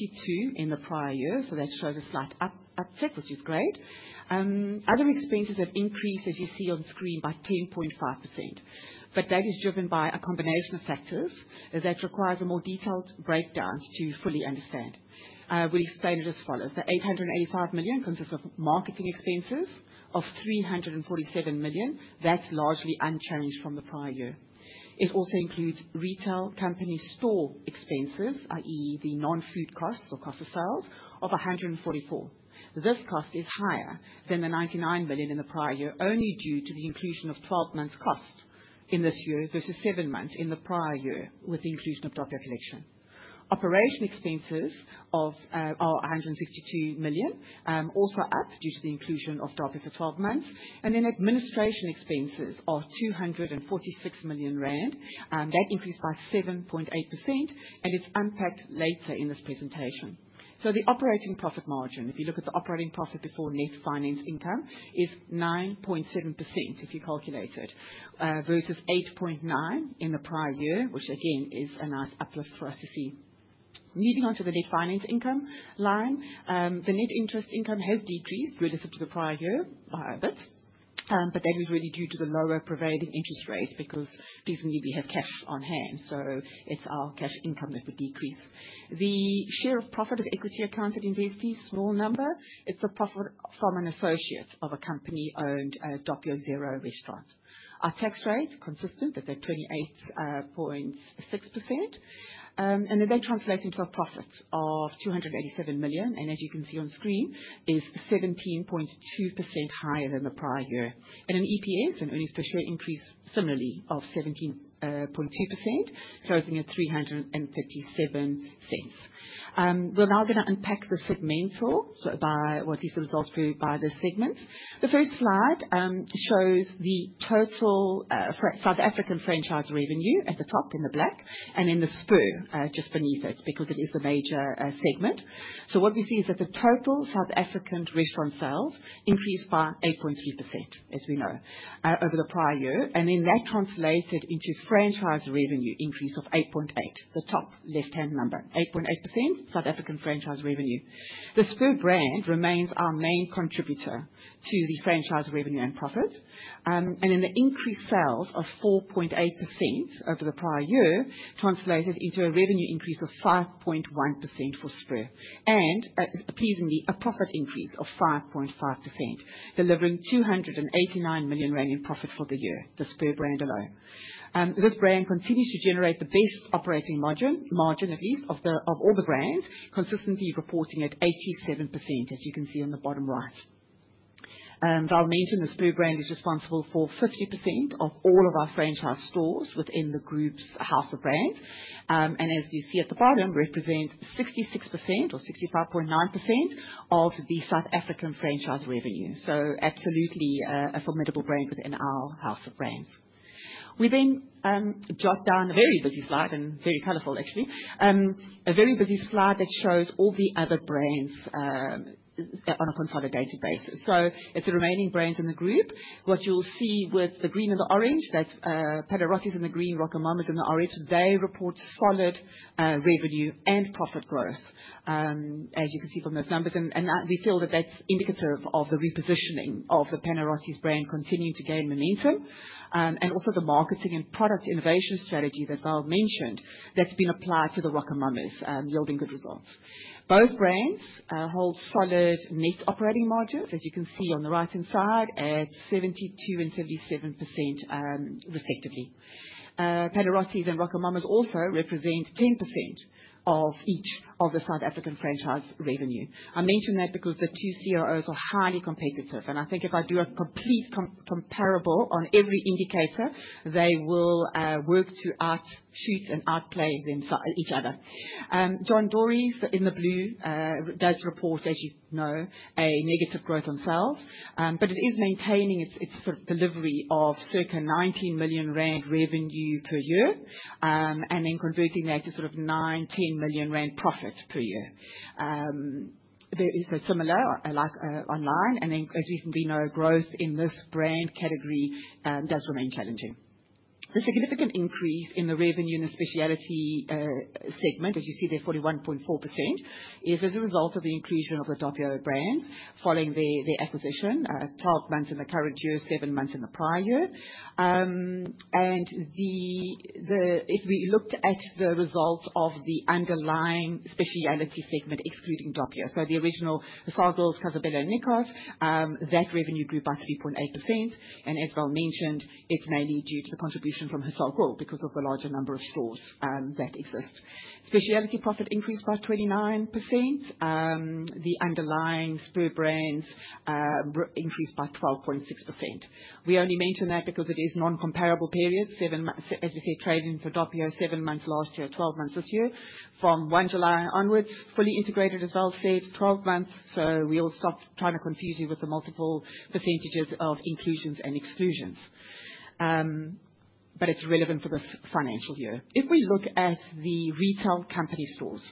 in the prior year, so that shows a slight uptick of this grade. Other expenses have increased, as you see on screen, by 10.5%. That is driven by a combination of factors that requires a more detailed breakdown to fully understand. We explain it as follows. The R885 million consists of marketing expenses of R347 million. That's largely unchanged from the prior year. It also includes retail company store expenses, i.e., the non-food costs or cost of sales, of R144 million. This cost is higher than the R99 million in the prior year only due to the inclusion of 12 months' cost in this year versus seven months in the prior year with the inclusion of Doppio Collection. Operation expenses of R162 million also are up due to the inclusion of Doppio for 12 months. Administration expenses are R246 million. That increased by 7.8%, and it's unpacked later in this presentation. The operating profit margin, if you look at the operating profit before net finance income, is 9.7% if you calculate it, versus 8.9% in the prior year, which again is a nice uplift for us to see. Moving on to the net finance income line, the net interest income has decreased relative to the prior year a bit. That was really due to the lower prevailing interest rates because definitely we have cash on hand, so it's our cash income that's decreased. The share of profit of equity accounted investee, small number, it's a profit from an associate of a company-owned Doppio Zero restaurant. Our tax rate is consistent. It's at 28.6%. That translates into a profit of R287 million, and as you can see on screen, it's 17.2% higher than the prior year. EPS, earnings per share, increased similarly by 17.2%, closing at R3.37. We're now going to unpack the sub-main stores by what is the results for by this segment. The third slide shows the total South African franchise revenue at the top in the black and in the Spur just beneath it because it is a major segment. What we see is that the total South African restaurant sales increased by 8.2% over the prior year, and then that translated into franchise revenue increase of 8.8%, the top left-hand number, 8.8% South African franchise revenue. The Spur brand remains our main contributor to the franchise revenue and profit, and then the increased sales of 4.8% over the prior year translated into a revenue increase of 5.1% for Spur and, pleasingly, a profit increase of 5.5%, delivering R289 million in profit for the year, the Spur brand alone. This brand continues to generate the best operating margin, margin at least, of all the brands, consistently reporting at 87%, as you can see on the bottom right. Val mentioned the Spur brand is responsible for 50% of all of our franchise stores within the group's house of brands, and as you see at the bottom, represents 66% or 65.9% of the South African franchise revenue. Absolutely, a formidable brand within our house of brands. We then jot down a very busy slide and very colorful, actually, a very busy slide that shows all the other brands that are on a consolidated base. It's the remaining brands in the group. What you'll see with the green and the orange, that's Panarottis in the green, RocoMamas in the orange, they report solid revenue and profit growth, as you can see from those numbers. We feel that that's indicative of the repositioning of the Panarottis brand continuing to gain momentum, and also the marketing and product innovation strategy that Val mentioned that's been applied to the RocoMamas, yielding good results. Both brands hold solid net operating margins, as you can see on the right-hand side, at 72% and 77%, respectively. Panarottis and RocoMamas also represent 10% each of the South African franchise revenue. I mention that because the two CROs are highly competitive, and I think if I do a complete comparable on every indicator, they will work to outshoot and outplay each other. John Dory's in the blue does report, as you know, a negative growth on sales, but it is maintaining its sort of delivery of circa R19 million revenue per year, and then converting that to sort of 19 million rand profit per year. They're similar, like, online, and then, as we know, growth in this brand category does remain challenging. The significant increase in the revenue in the specialty segment, as you see there, 41.4%, is as a result of the inclusion of the Doppio brand following their acquisition, 12 months in the current year, seven months in the prior year. If we looked at the results of the underlying specialty segment excluding Doppio, so the original Hussar Grill, Casa Bella, and Nikos, that revenue grew by 3.8%. As Val mentioned, it's mainly due to a contribution from Hussar Grill because of the larger number of stores that exist. Specialty profit increased by 29%. The underlying Spur brands increased by 12.6%. We only mention that because it is non-comparable periods, seven months, as we say, trading for Doppio, seven months last year, 12 months this year. From 1 July onwards, fully integrated as Val said, 12 months. We'll stop trying to confuse you with the multiple percentages of inclusions and exclusions, but it's relevant for this financial year. If we look at the retail company stores,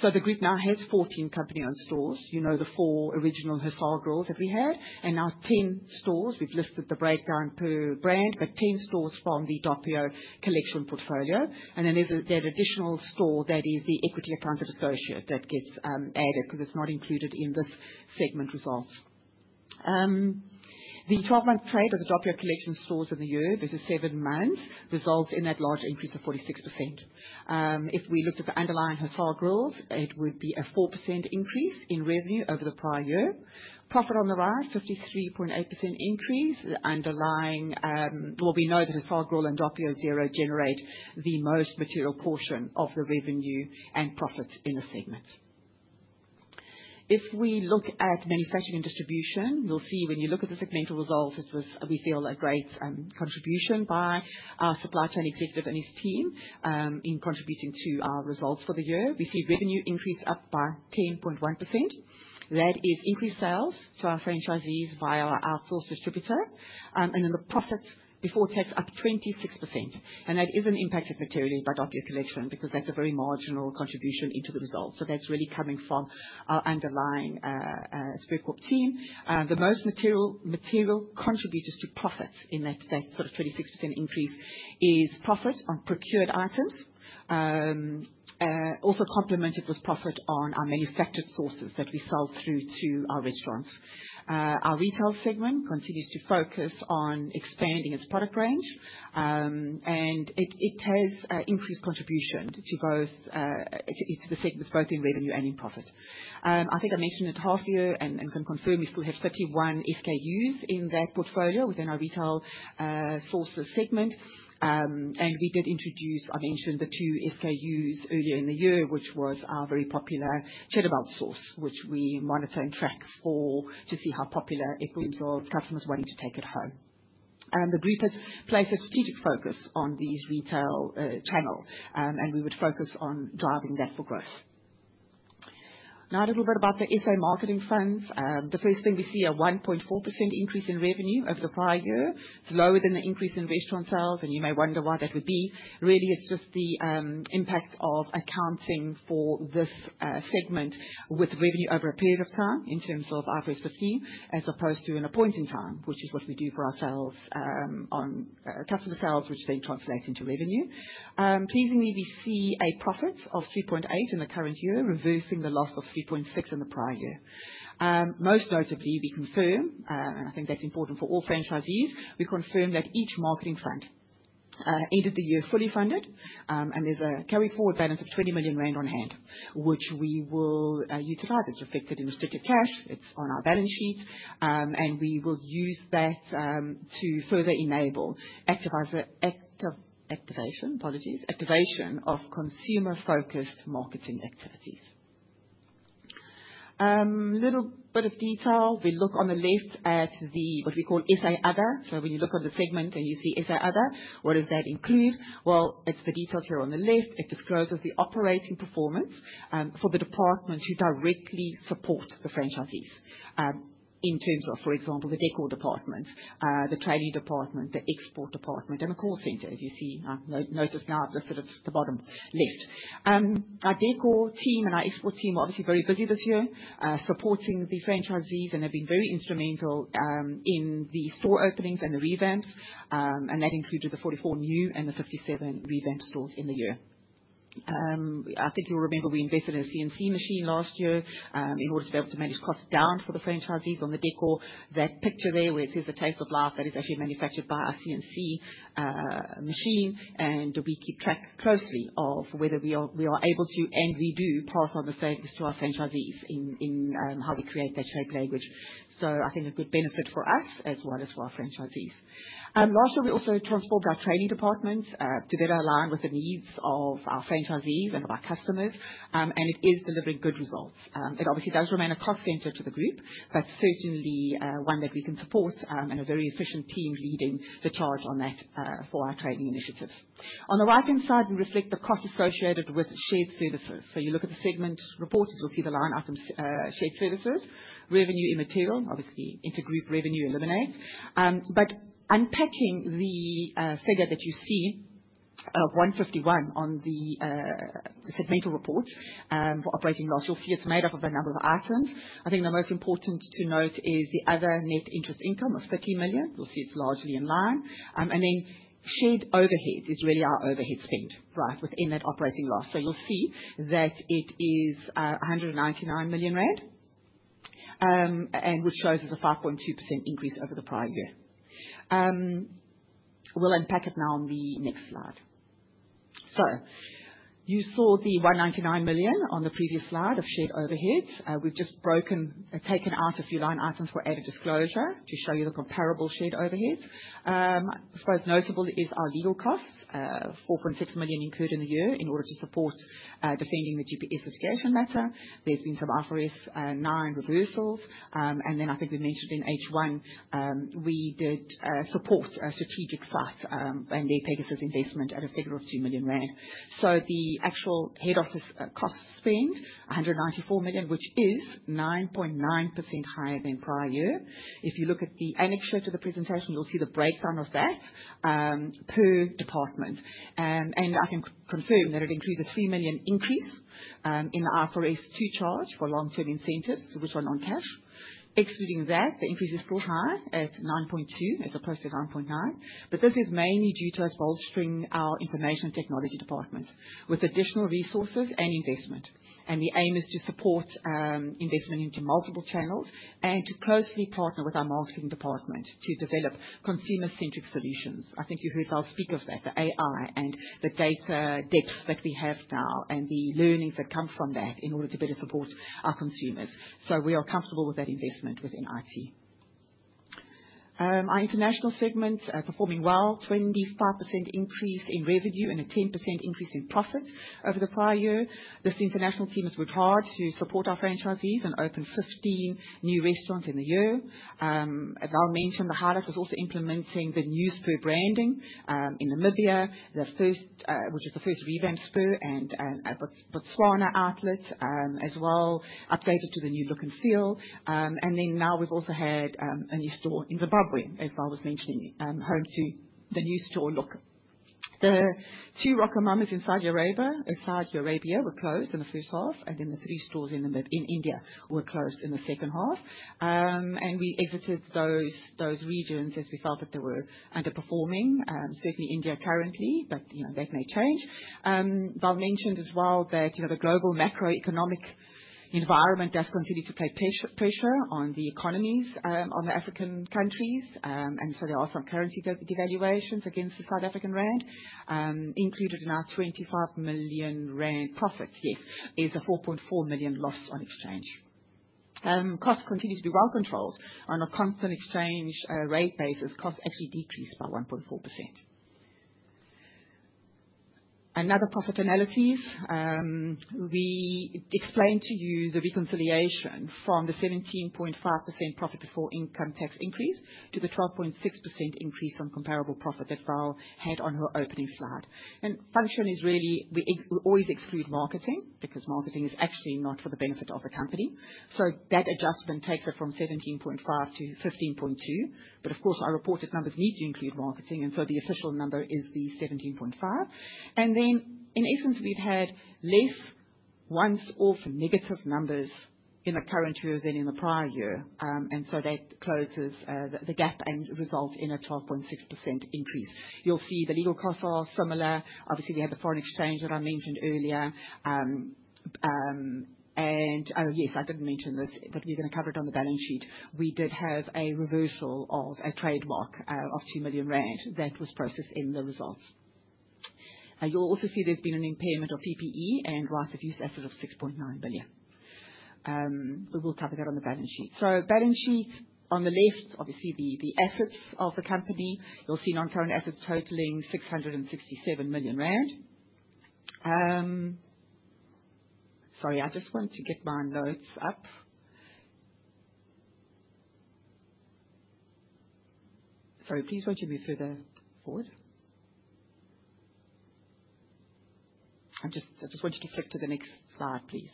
the group now has 14 company-owned stores, you know, the four original Hussar Grills that we had, and now 10 stores. We've listed the breakdown per brand, but 10 stores from the Doppio Collection portfolio. Then there's that additional store that is the equity accounted associate that gets added 'cause it's not included in this segment results. The 12-month trade of the Doppio. Source of the year, those are seven months, results in that large increase of 46%. If we looked at the underlying Hafal growth, it would be a 4% increase in revenue over the prior year. Profit on the rise: 53.8% increase. The underlying, well, we know that Hafal growth and Doppio Zero generate the most material portion of the revenue and profits in the segment. If we look at manufacturing and distribution, we'll see when you look at the segmental results, it was, we feel, a great contribution by our supply chain executive and his team, in contributing to our results for the year. We see revenue increase up by 10.1%. That is increased sales to our franchisees via our outsourced distributor, and then the profits before tax up 26%. That isn't impacted materially by Doppio Collection because that's a very marginal contribution into the results. That's really coming from our underlying Spur Corp. team. The most material contributors to profits in that sort of 36% increase is profit on procured items, also complemented with profit on our manufactured sauces that we sell through to our restaurants. Our retail segment continues to focus on expanding its product range, and it has increased contribution to both the segments both in revenue and in profit. I think I mentioned it half a year and can confirm we still have 31 SKUs in that portfolio within our retail sauce segment. We did introduce, I mentioned, the two SKUs earlier in the year, which was our very popular cheddar milk sauce, which we monitor and track for to see how popular it was or customers wanting to take it home. The group has placed a strategic focus on these retail channels, and we would focus on driving that for growth. Now, a little bit about the SA marketing funds. The first thing we see: a 1.4% increase in revenue over the prior year. It's lower than the increase in restaurant sales, and you may wonder why that would be. Really, it's just the impact of accounting for this segment with revenue over a period of time in terms of our face-to-face as opposed to an appointing time, which is what we do for ourselves, on customer sales, which then translates into revenue. Pleasingly, we see a profit of 3.8% in the current year, reversing the loss of 3.6% in the prior year. Most notably, we confirm, and I think that's important for all franchisees, we confirm that each marketing fund, end of the year fully funded, and there's a carry-forward balance of R20 million on hand, which we will utilize. It's reflected in restricted cash. It's on our balance sheet, and we will use that to further enable activation policies, activation of consumer-focused marketing activities. A little bit of detail. We look on the left at what we call SA other. When you look on the segment and you see SA other, what does that include? It's the details here on the left. It describes the operating performance for the departments who directly support the franchisees, in terms of, for example, the decor department, the training department, the export department, and the call centers. You see, notice now I've listed it at the bottom left. Our decor team and our export team were obviously very busy this year, supporting the franchisees and have been very instrumental in the store openings and the revamps, and that included the 44 new and the 57 revamped stores in the year. I think you'll remember we invested in a CNC machine last year in order to be able to manage costs down for the franchisees on the decor. That picture there where it says the taste of life, that is actually manufactured by our CNC machine, and we keep track closely of whether we are able to and we do pass on the same to our franchisees in how we create that shape language. I think a good benefit for us as well as for our franchisees. Last year, we also transformed our training departments to better align with the needs of our franchisees and of our customers, and it is delivering good results. It obviously does remain a cost center to the group, but certainly one that we can support, and a very efficient team leading the charge on that for our training initiatives. On the right-hand side, we reflect the cost associated with shared services. You look at the segment reported, you'll see the line items, shared services, revenue in material, obviously, intergroup revenue in lemonade. Unpacking the figure that you see of R151 on the segmental report for operating loss, you'll see it's made up of a number of items. I think the most important note is the other net interest income of R13 million. You'll see it's largely in line, and then shared overhead is really our overhead spend within that operating loss. You'll see that it is R199 million, which shows as a 5.2% increase over the prior year. We'll unpack it now on the next slide. You saw the R199 million on the previous slide of shared overheads. We've just broken and taken out a few line items for added disclosure to show you the comparable shared overheads. I suppose notable is our legal costs, R4.6 million incurred in the year in order to support defending the GPS as a matter. There's been some RRS 9 reversals. I think we mentioned in H1, we did support a strategic fight when they pegged us as investment at a figure of R2 million. The actual head office cost spend is R194 million, which is 9.9% higher than prior year. If you look at the annexure of the presentation, you'll see the breakdown of that per department. I can confirm that it includes a R3 million increase in the RRS 2 charge for long-term incentives, which are non-cash. Excluding that, the increase is still high at 9.2% as opposed to 9.9%. This is mainly due to us bolstering our information technology department with additional resources and investment. The aim is to support investment into multiple channels and to closely partner with our marketing department to develop consumer-centric solutions. I think you heard last week about the AI and the data depth that we have now and the learnings that come from that in order to better support our consumers. We are comfortable with that investment within IT. Our international segments are performing well, 25% increase in revenue and a 10% increase in profit over the prior year. This international team has worked hard to support our franchisees and open 15 new restaurants in the year. As I'll mention, the highlight was also implementing the new Spur branding in Namibia, which is the first revamped Spur, and the Botswana outlet as well upgraded to the new look and feel. Now we've also had a new store in Zimbabwe, as I was mentioning, home to the new store look. The two RocoMamas in Saudi Arabia were closed in the first half, and the three stores in India were closed in the second half. We exited those regions as we felt that they were underperforming, certainly India currently, but that may change. As I've mentioned as well, the global macroeconomic environment does continue to place pressure on the economies, on the African countries. There are some currency devaluations against the South African rand included in our R25 million profits. Yes, there is a R4.4 million loss on exchange. Costs continue to be well controlled. On a constant exchange rate basis, costs actually decreased by 1.4%. Another profit analysis: we explained to you the reconciliation from the 17.5% profit before income tax increase to the 12.6% increase on comparable profit that Val had on her opening slide. Function is really, we always exclude marketing because marketing is actually not for the benefit of the company. That adjustment takes it from 17.5%-15.2%. Of course, our reported numbers need to include marketing, so the official number is the 17.5%. In essence, we've had less once-or-never negative numbers in the current year than in the prior year, and that closes the gap and results in a 12.6% increase. You'll see the legal costs are similar. Obviously, we had the foreign exchange that I mentioned earlier. I didn't mention this, but we're going to cover it on the balance sheet. We did have a reversal of a trade lock of R2 million that was processed in the results. You'll also see there's been an impairment of PPE and loss of use assets of R6.9 million. We will cover that on the balance sheet. Balance sheet on the left, obviously, the assets of the company. You'll see non-found assets totaling R667 million. Sorry, I just want to get my notes up. Sorry, please watch it a little further forward. I just want you to click to the next slide, please.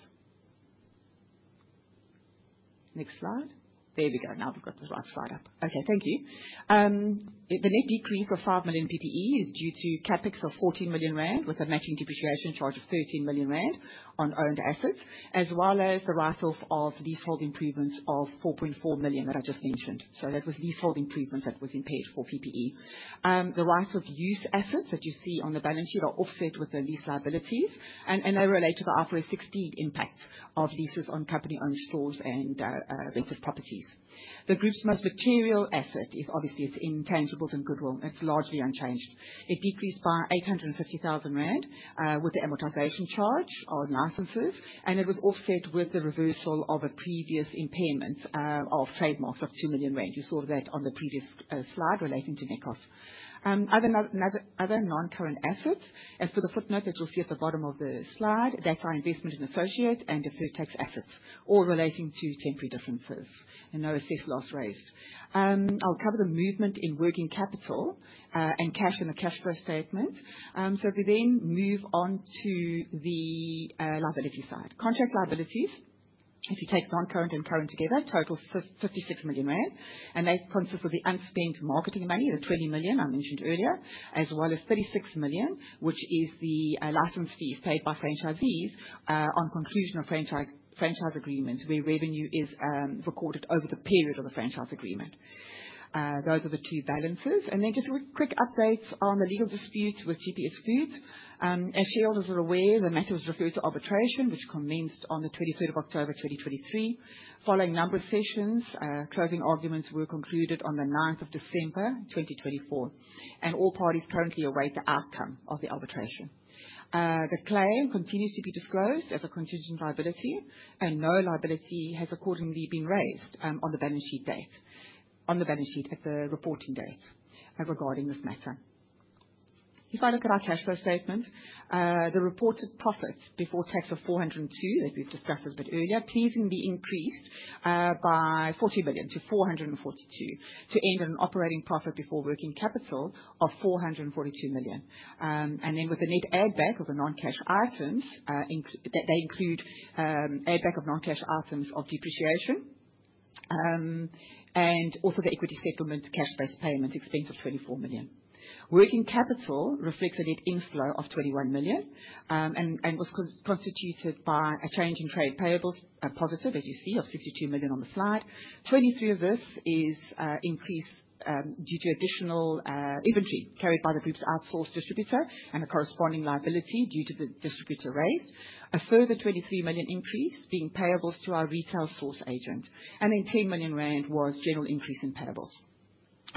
Next slide. There we go. Now we've got the last slide up. Thank you. The net decrease of R5 million PPE is due to CapEx of R14 million with a matching depreciation charge of R13 million on owned assets, as well as the write-off of leasehold improvements of R4.4 million that I just mentioned. That was leasehold improvements that was in paid for PPE. The write-off use assets that you see on the balance sheet are offset with the lease liabilities, and they relate to the IFRS 16 impacts of leases on company-owned stores and venture properties. The group's material asset is obviously its intangibles and goodwill. It's largely unchanged. It decreased by R850,000 with the amortization charge on licenses, and it was offset with the reversal of a previous impairment of trademarks of R2 million. You saw that on the previous slide relating to net costs. Other non-current assets, as for the footnote that you'll see at the bottom of the slide, that's our investment in associates and the first tax assets, all relating to temporary differences. No assessed loss raised. I'll cover the movement in working capital and cash in the cash flow statement. If we then move on to the liability side, contract liabilities, if you take non-current and current together, total R56 million, and that's constructed for the unspent marketing money, the R20 million I mentioned earlier, as well as R36 million, which is the license fees paid by franchisees on contribution of franchise agreements where revenue is recorded over the period of the franchise agreement. Those are the two balances. Just a quick update on the legal disputes with GPS Foods. As shareholders are aware, the matter was referred to arbitration, which commenced on 23rd of October 2023. Following a number of sessions, closing arguments were concluded on 9th of December 2024. All parties currently await the outcome of the arbitration. The claim continues to be disclosed as a contingent liability, and no liability has accordingly been raised on the balance sheet at the reporting day regarding this matter. If I look at our cash flow statement, the reported profits before tax of R402 million that we've discussed a bit earlier pleasingly increased by R40 million-R442 million, to end in an operating profit before working capital of R442 million. With the net add-back of the non-cash items, that they include, add-back of non-cash items of depreciation and also the equity settlement cash-based payment expense of R24 million. Working capital reflects a net inflow of R21 million and was constituted by a change in trade payables, a positive that you see of R52 million on the slide. R23 million of this is increased due to additional inventory carried by the group's outsourced distributor and a corresponding liability due to the distributor raised. A further R23 million increase being payables to our retail source agent. R10 million was general increase in payables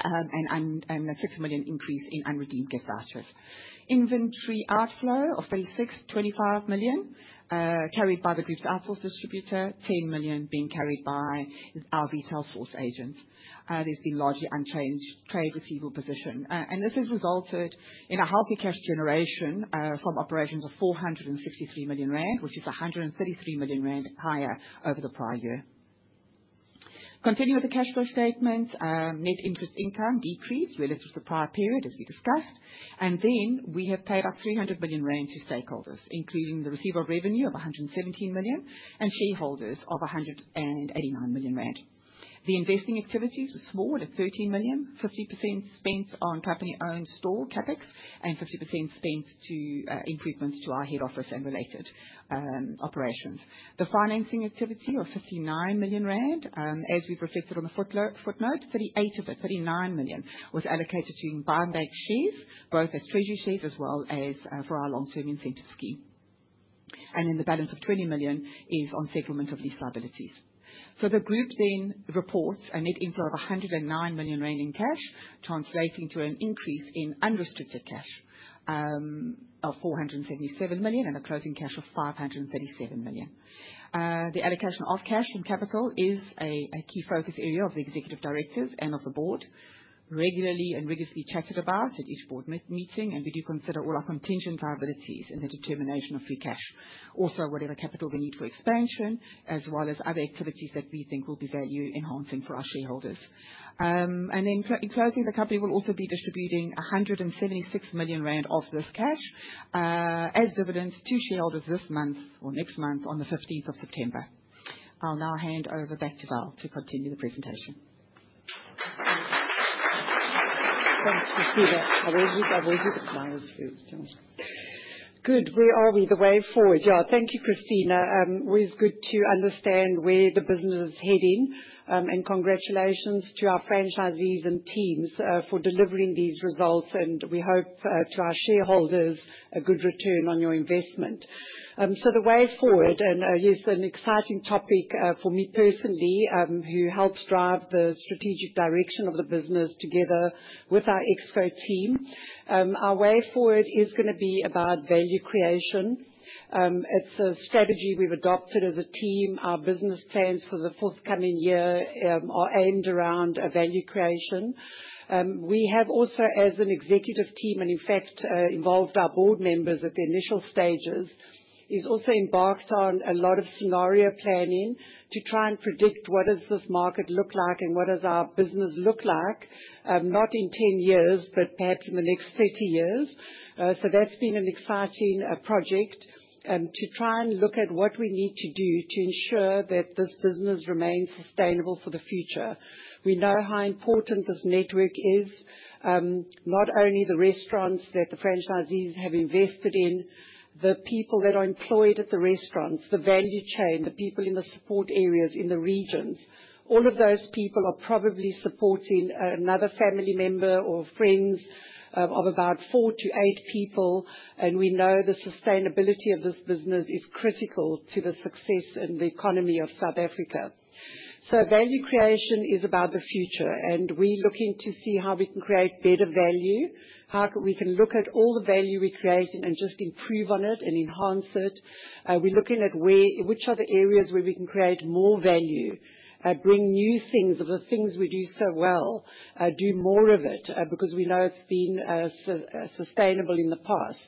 and a R6 million increase in unredeemed debt assets. Inventory outflow of R26 million, R25 million carried by the group's outsourced distributor, R10 million being carried by our retail source agents. There's been largely unchanged trade receivable position. This has resulted in a healthy cash generation from operations of R463 million, which is R133 million higher over the prior year. Continuing with the cash flow statements, net interest income decreased, whereas with the prior period that we discussed. We have paid off R300 million to stakeholders, including the receiver of revenue of R117 million and shareholders of R189 million. The investing activities are small at R13 million, 50% spent on company-owned store CapEx and 50% spent to improvements to our head office and related operations. The financing activity of R59 million, as we've reflected on the footnote, R39 million was allocated to buy and back shares, both as treasury shares as well as for our long-term incentive scheme. The balance of R20 million is on settlement of lease liabilities. The group then reports a net inflow of R109 million in cash, translating to an increase in unrestricted cash of R477 million and a closing cash of R537 million. The allocation of cash and capital is a key focus area of the Executive Directors and of the Board, regularly and rigorously chatted about at each Board meeting, and we do consider all our contingent liabilities in the determination of free cash. Also, whatever capital we need for expansion, as well as other activities that we think will be value-enhancing for our shareholders. In closing, the company will also be distributing R176 million of this cash as dividends to shareholders this month or next month on the 15th of September. I'll now hand over back to Val to continue the presentation. Thanks, Cristina. I won't be bothered with the time as you're still. Good. Where are we? The way forward. Yeah. Thank you, Cristina. Always good to understand where the business is heading, and congratulations to our franchisees and teams for delivering these results. We hope, to our shareholders, a good return on your investment. The way forward, and yes, an exciting topic for me personally, who helps drive the strategic direction of the business together with our expert team. Our way forward is going to be about value creation. It's a strategy we've adopted as a team. Our business plans for the forthcoming year are aimed around value creation. We have also, as an executive team, and in fact, involved our board members at the initial stages, embarked on a lot of scenario planning to try and predict what does this market look like and what does our business look like, not in 10 years, but perhaps in the next 30 years. That's been an exciting project to try and look at what we need to do to ensure that this business remains sustainable for the future. We know how important this network is, not only the restaurants that the franchisees have invested in, the people that are employed at the restaurants, the value chain, the people in the support areas, in the regions. All of those people are probably supporting another family member or friends, of about four to eight people. We know the sustainability of this business is critical to the success in the economy of South Africa. Value creation is about the future, and we're looking to see how we can create better value, how we can look at all the value we create and just improve on it and enhance it. We're looking at which are the areas where we can create more value, bring new things of the things we do so well, do more of it, because we know it's been sustainable in the past.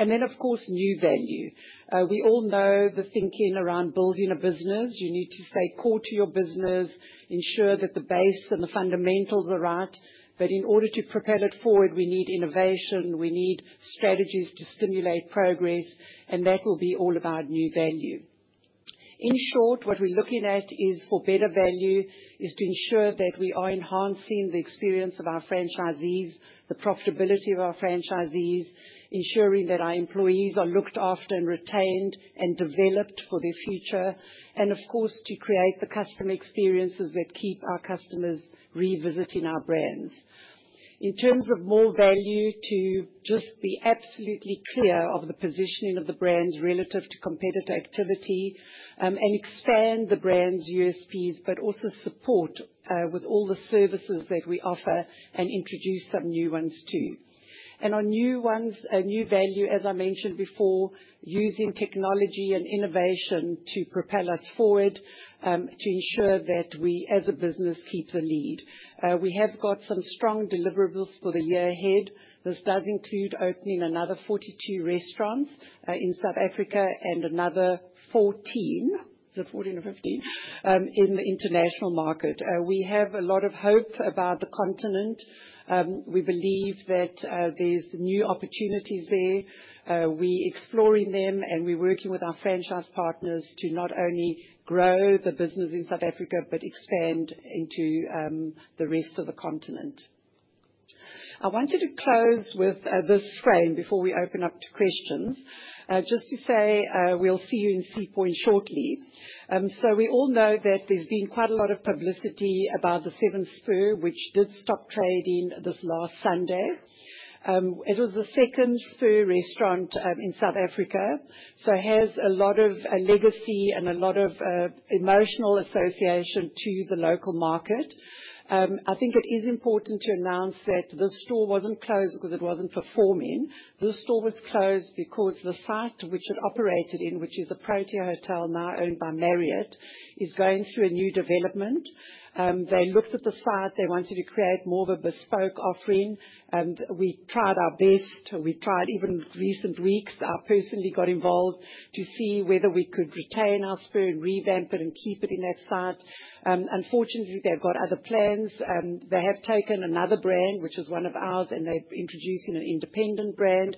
Of course, new value. We all know the thinking around building a business. You need to stay core to your business, ensure that the base and the fundamentals are right. In order to propel it forward, we need innovation. We need strategies to stimulate progress. That will be all about new value. In short, what we're looking at for better value is to ensure that we are enhancing the experience of our franchisees, the profitability of our franchisees, ensuring that our employees are looked after and retained and developed for their future, and of course, to create the customer experiences that keep our customers revisiting our brands. In terms of more value, to just be absolutely clear of the positioning of the brands relative to competitor activity, and expand the brand's USPs, but also support with all the services that we offer and introduce some new ones too. On new ones, new value, as I mentioned before, using technology and innovation to propel us forward, to ensure that we, as a business, keep the lead. We have got some strong deliverables for the year ahead. This does include opening another 42 restaurants in South Africa and another 14, so 14 or 15, in the international market. We have a lot of hope about the continent. We believe that there's new opportunities there. We're exploring them, and we're working with our franchise partners to not only grow the business in South Africa, but expand into the rest of the continent. I wanted to close with this frame before we open up to questions. Just to say, we'll see you in CPoint shortly. We all know that there's been quite a lot of publicity about the Seven Spur, which did stop trading this last Sunday. It was the second Spur Steak Ranches restaurant in South Africa, so it has a lot of legacy and a lot of emotional association to the local market. I think it is important to announce that this store wasn't closed because it wasn't performing. This store was closed because the site which it operated in, which is a Protea Hotel now owned by Marriott, is going through a new development. They looked at the site. They wanted to create more of a bespoke offering, and we tried our best. We tried even in recent weeks. I personally got involved to see whether we could retain our Spur and revamp it and keep it in that site. Unfortunately, they've got other plans. They have taken another brand, which is one of ours, and they've introduced an independent brand.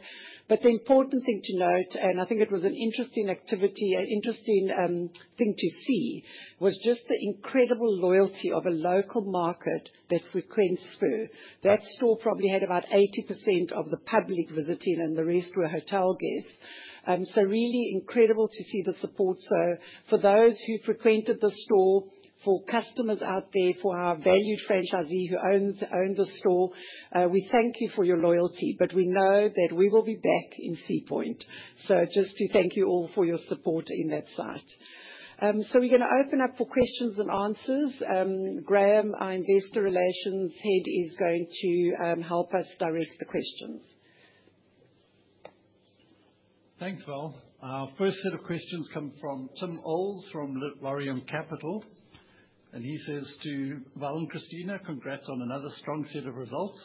The important thing to note, and I think it was an interesting activity, an interesting thing to see, was just the incredible loyalty of a local market that frequents Spur. That store probably had about 80% of the public visiting, and the rest were hotel guests. Really incredible to see the support. For those who frequented the store, for customers out there, for our valued franchisee who owns the store, we thank you for your loyalty, but we know that we will be back in CPoint. Just to thank you all for your support in that site. We're going to open up for questions and answers. Graeme, our Investor Relations Head, is going to help us direct the questions. Thanks, Val. Our first set of questions come from Tim Olls from Laurium Capital, and he says to Val and Cristina, congrats on another strong set of results.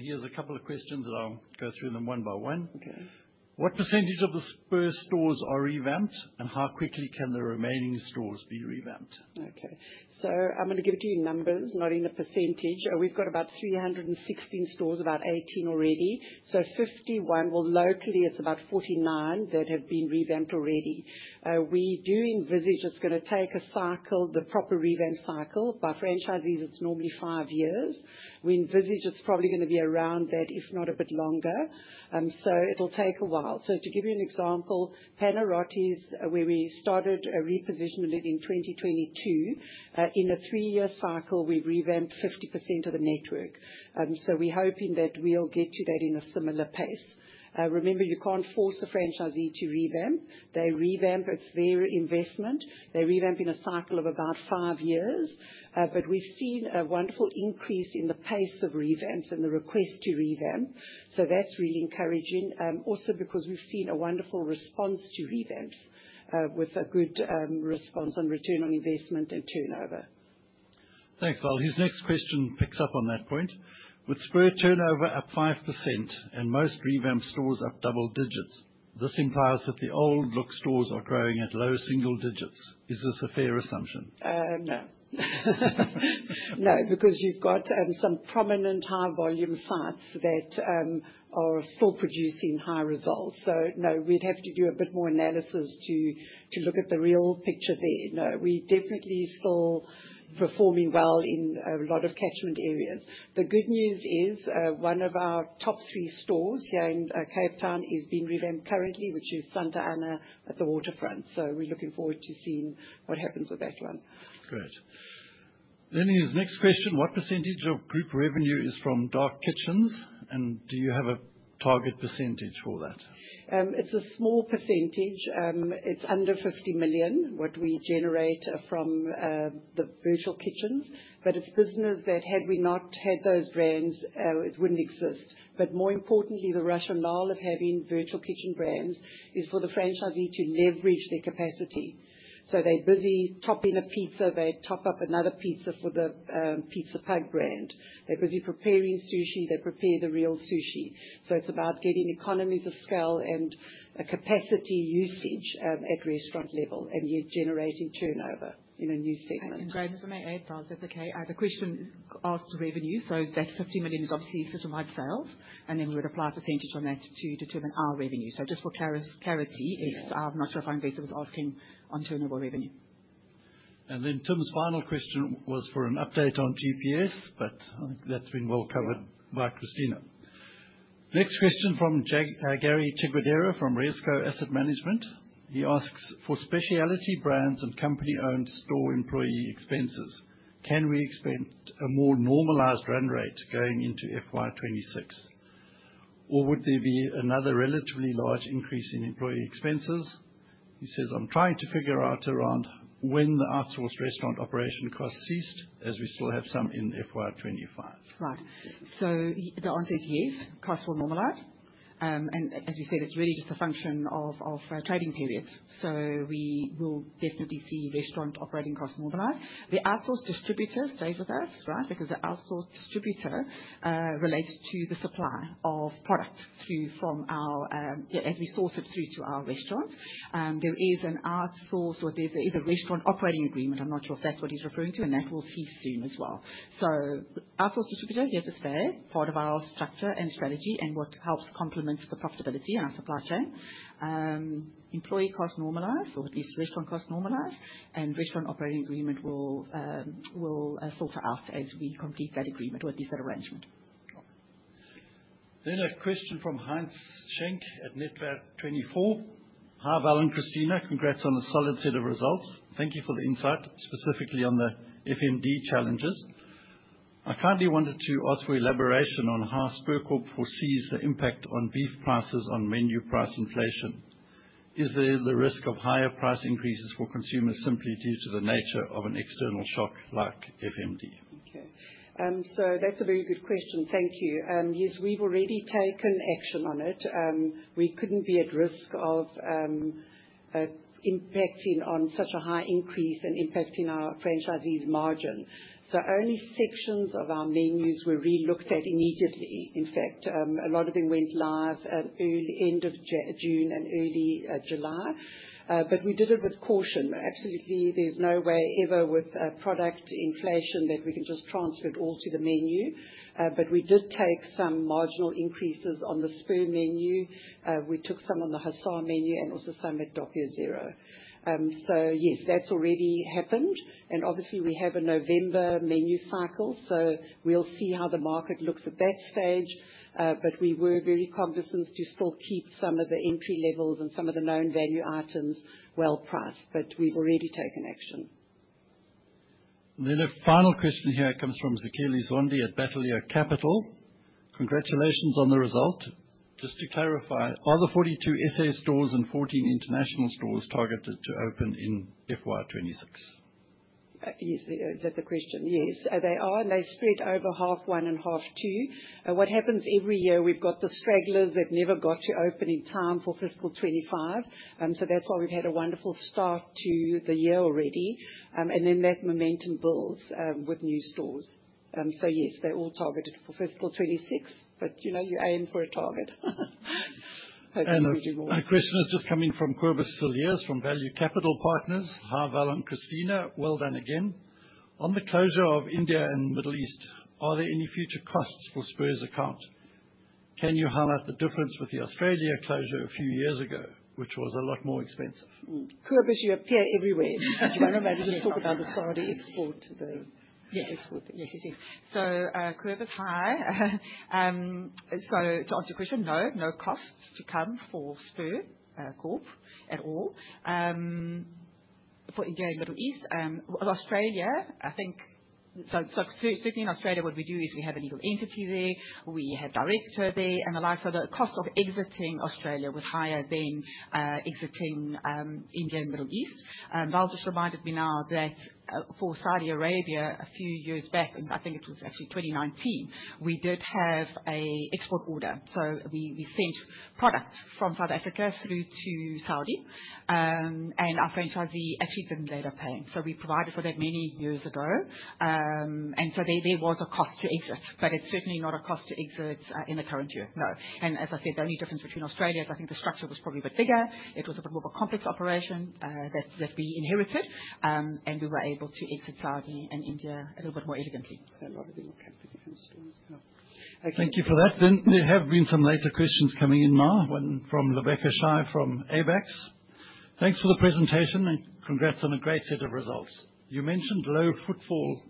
He has a couple of questions, and I'll go through them one by one. Okay. What percentage of the Spur stores are revamped, and how quickly can the remaining stores be revamped? Okay. I'm going to give a few numbers, not in a percentage. We've got about 316 stores, about 18 already. So 51, locally, it's about 49 that have been revamped already. We do envisage it's going to take a cycle, the proper revamp cycle. By franchisees, it's normally five years. We envisage it's probably going to be around that, if not a bit longer. It will take a while. To give you an example, Panarottis, where we started a repositioning in 2022, in a three-year cycle, we've revamped 50% of the network. We're hoping that we'll get to that in a similar pace. Remember, you can't force a franchisee to revamp. They revamp as per investment. They revamp in a cycle of about five years. We've seen a wonderful increase in the pace of revamps and the request to revamp. That's really encouraging, also because we've seen a wonderful response to revamps, with a good response on return on investment and turnover. Thanks, Val. His next question picks up on that point. With Spur turnover at 5% and most revamped stores up double digits, this implies that the old-look stores are growing at low single digits. Is this a fair assumption? No, because you've got some prominent high-volume sites that are still producing high results. No, we'd have to do a bit more analysis to look at the real picture there. No, we're definitely still performing well in a lot of catchment areas. The good news is, one of our top three stores here in Cape Town is being revamped currently, which is Santa Ana at the Waterfront. We're looking forward to seeing what happens with that one. Great. His next question, what percentage of group revenue is from dark kitchens, and do you have a target percentage for that? It's a small percentage. It's under R50 million what we generate from the virtual kitchens. It's a business that, had we not had those brands, it wouldn't exist. More importantly, the rationale of having virtual kitchen brands is for the franchisee to leverage their capacity. They're busy topping a pizza, they top up another pizza for the Pizza Pug brand. They're busy preparing sushi, they prepare the real sushi. It's about getting economies of scale and capacity usage at restaurant level and yet generating turnover in a new segment. Right. For my add-on, if that's okay, the question asks revenue. That's $50 million in gross usage and wide sales, and then we would apply percentage on that to determine our revenue. Just for clarity, I'm not sure if our investor was asking on turnover revenue. Tim's final question was for an update on GPS, but I think that's been well covered by Cristina. The next question is from Gari Chigwedere from Rezco Asset Management. He asks for specialty brands and company-owned store employee expenses. Can we expect a more normalized run rate going into FY2026, or would there be another relatively large increase in employee expenses? He says, "I'm trying to figure out around when the outsourced restaurant operation costs ceased, as we still have some in FY2025. Right. The answer is yes, costs will normalize. As we said, it's really just a function of trading periods. We will definitely see restaurant operating costs normalize. The outsourced distributor stays with us, right, because the outsourced distributor relates to the supply of products through from our, as we source it through to our restaurants. There is an outsource, or there's either a restaurant operating agreement. I'm not sure if that's what he's referring to, and that will cease soon as well. Outsourced distributor, yes, as I said, part of our structure and strategy and what helps complement the profitability in our supply chain. Employee costs normalized, or at least restaurant costs normalized, and restaurant operating agreement will filter out as we complete that agreement or do that arrangement. A question from Heinz Schenk at Netwerk24. Hi, Val and Cristina. Congrats on a solid set of results. Thank you for the insight specifically on the FMD challenges. I kindly wanted to ask for elaboration on how Spur Corp. foresees the impact on beef prices on menu price inflation. Is there the risk of higher price increases for consumers simply due to the nature of an external shock like FMD? Okay. That's a very good question. Thank you. Yes, we've already taken action on it. We couldn't be at risk of impacting on such a high increase and impacting our franchisees' margins. The only sections of our menus were relooked at immediately. In fact, a lot of them went live end of June and early July. We did it with caution. Absolutely, there's no way ever with product inflation that we can just transfer it all to the menu. We did take some marginal increases on the Spur menu. We took some on the Hussar Grill menu and also some at Doppio Zero. Yes, that's already happened. Obviously, we have a November menu cycle, so we'll see how the market looks at that stage. We were very cognizant to still keep some of the entry levels and some of the known value items well priced. We've already taken action. A final question here comes from Zakhele Zondi at Bateleur Capital. Congratulations on the result. Just to clarify, are the 42 SA stores and 14 international stores targeted to open in FY2026? Yes, that's the question. Yes. They are, and they split over half one and half two. What happens every year, we've got the stragglers that never got to open in time for fiscal 2025. That's why we've had a wonderful start to the year already, and that momentum builds with new stores. Yes, they're all targeted for fiscal 2026, but you know, you aim for a target. Thanks. A question is just coming from Cobus Cilliers from Value Capital Partners. Hi, Val and Cristina. Well done again. On the closure of India and the Middle East, are there any future costs for Spur's account? Can you highlight the difference with the Australia closure a few years ago, which was a lot more expensive? Cobus, you appear everywhere. It's such a... I don't know. We can talk about the quality export to the... Yeah. Yeah, yeah, yeah. To answer your question, no, no costs to come for Spur Corp. at all for India and the Middle East. Australia, I think, so certainly in Australia, what we do is we have a legal entity there. We have a director there, and the like. The cost of exiting Australia was higher than exiting India and the Middle East. Val just reminded me now that for Saudi Arabia, a few years back, and I think it was actually 2019, we did have an export order. We sent products from South Africa through to Saudi, and our franchisee achieved a later pay. We provided for that many years ago, and there was a cost to exit. It's certainly not a cost to exit in the current year. No. As I said, the only difference between Australia is I think the structure was probably a bit bigger. It was a bit more of a complex operation that we inherited, and we were able to exit Saudi and India a little bit more elegantly. I love it. I love it. Thank you for that. There have been some later questions coming in now, one from Lebeko Shai from Abax. Thanks for the presentation and congrats on a great set of results. You mentioned low footfall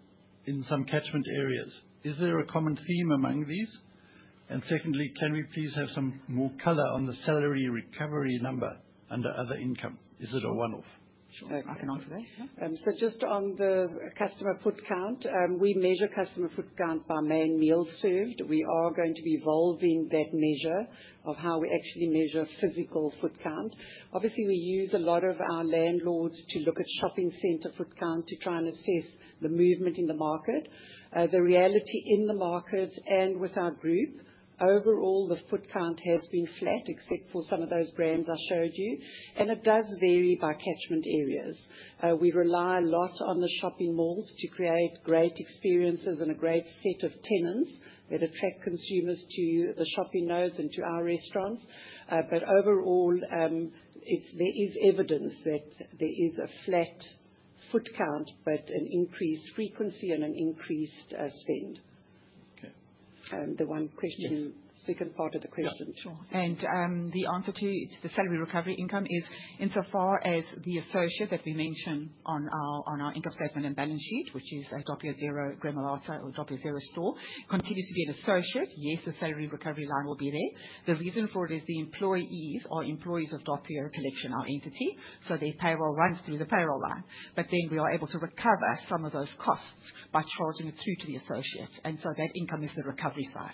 in some catchment areas. Is there a common theme among these? Secondly, can we please have some more color on the salary recovery number under other income? Is it a one-off? I can answer that. Yeah. Just on the customer foot count, we measure customer foot count by man meals served. We are going to be evolving that measure of how we actually measure physical foot count. Obviously, we use a lot of our landlords to look at shopping center foot count to try and assess the movement in the market. The reality in the market and with our group, overall, the foot count had been flat except for some of those brands I showed you. It does vary by catchment areas. We rely a lot on the shopping malls to create great experiences and a great set of tenants that attract consumers to the shopping nodes and to our restaurants. Overall, there is evidence that there is a flat foot count, but an increased frequency and an increased spend. Okay. The one question, the second part of the question. Sure. The answer to the salary recovery income is insofar as the associate that we mentioned on our interpersonal and balance sheet, which is a Doppio Zero, RocoMamas outside or Doppio Zero store, continues to be an associate, yes, the salary recovery line will be there. The reason for it is the employees are employees of Doppio Collection, our entity. Their payroll runs through the payroll line, but then we are able to recover some of those costs by charging it through to the associate. That income is the recovery side.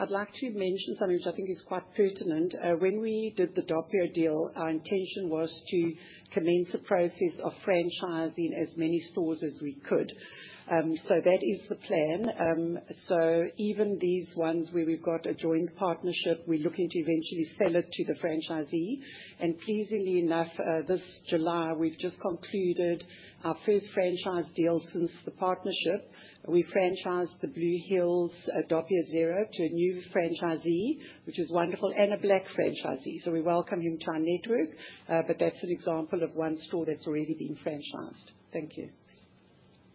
I'd like to mention something which I think is quite pertinent. When we did the Doppio deal, our intention was to commence the process of franchising as many stores as we could. That is the plan. Even these ones where we've got a joint partnership, we're looking to eventually sell it to the franchisee. Pleasingly enough, this July, we've just concluded our first franchise deal since the partnership. We franchised the Blue Hills, Doppio Zero to a new franchisee, which is wonderful, and a black franchisee. We welcome him to our network. That's an example of one store that's already been franchised. Thank you.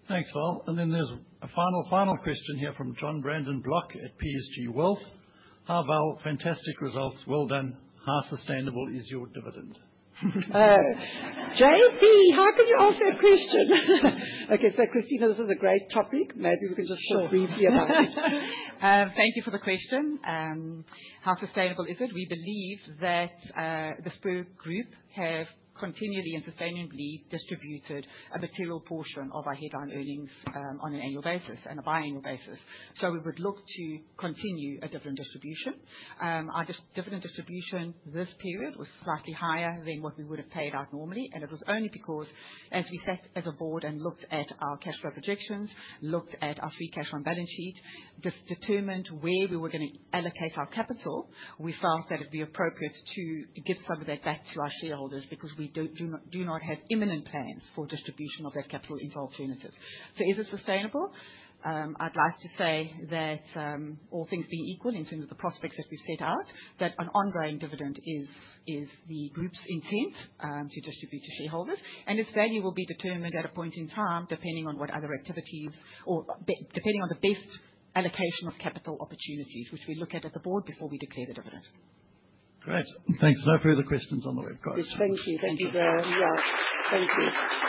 Thanks, Val. There's a final, final question here from John Brandon Black at PSG Wealth. Hi, Val. Fantastic results. Well done. How sustainable is your dividend? How can you answer a question? Okay. Cristina, this is a great topic. Maybe we can just talk briefly about it. Thank you for the question. How sustainable is it? We believe that the Spur Group have continually and sustainably distributed a material portion of our headline earnings on an annual basis and a biannual basis. We would look to continue a dividend distribution. Our dividend distribution this period was slightly higher than what we would have paid out normally. It was only because, as we sat as a board and looked at our cash flow projections, looked at our cash on balance sheet, this determined where we were going to allocate our capital. We felt that it would be appropriate to give some of that back to our shareholders because we do not have imminent plans for distribution of that capital in sole services. Is this sustainable? I'd like to say that, all things being equal in terms of the prospects that we've set out, an ongoing dividend is the group's intent to distribute to shareholders. Its value will be determined at a point in time, depending on what other activities or depending on the best allocation of capital opportunities, which we look at at the board before we declare the dividend. Great. Thanks. No further questions on the record. Thank you. Thank you, Val. Thank you. Thank you.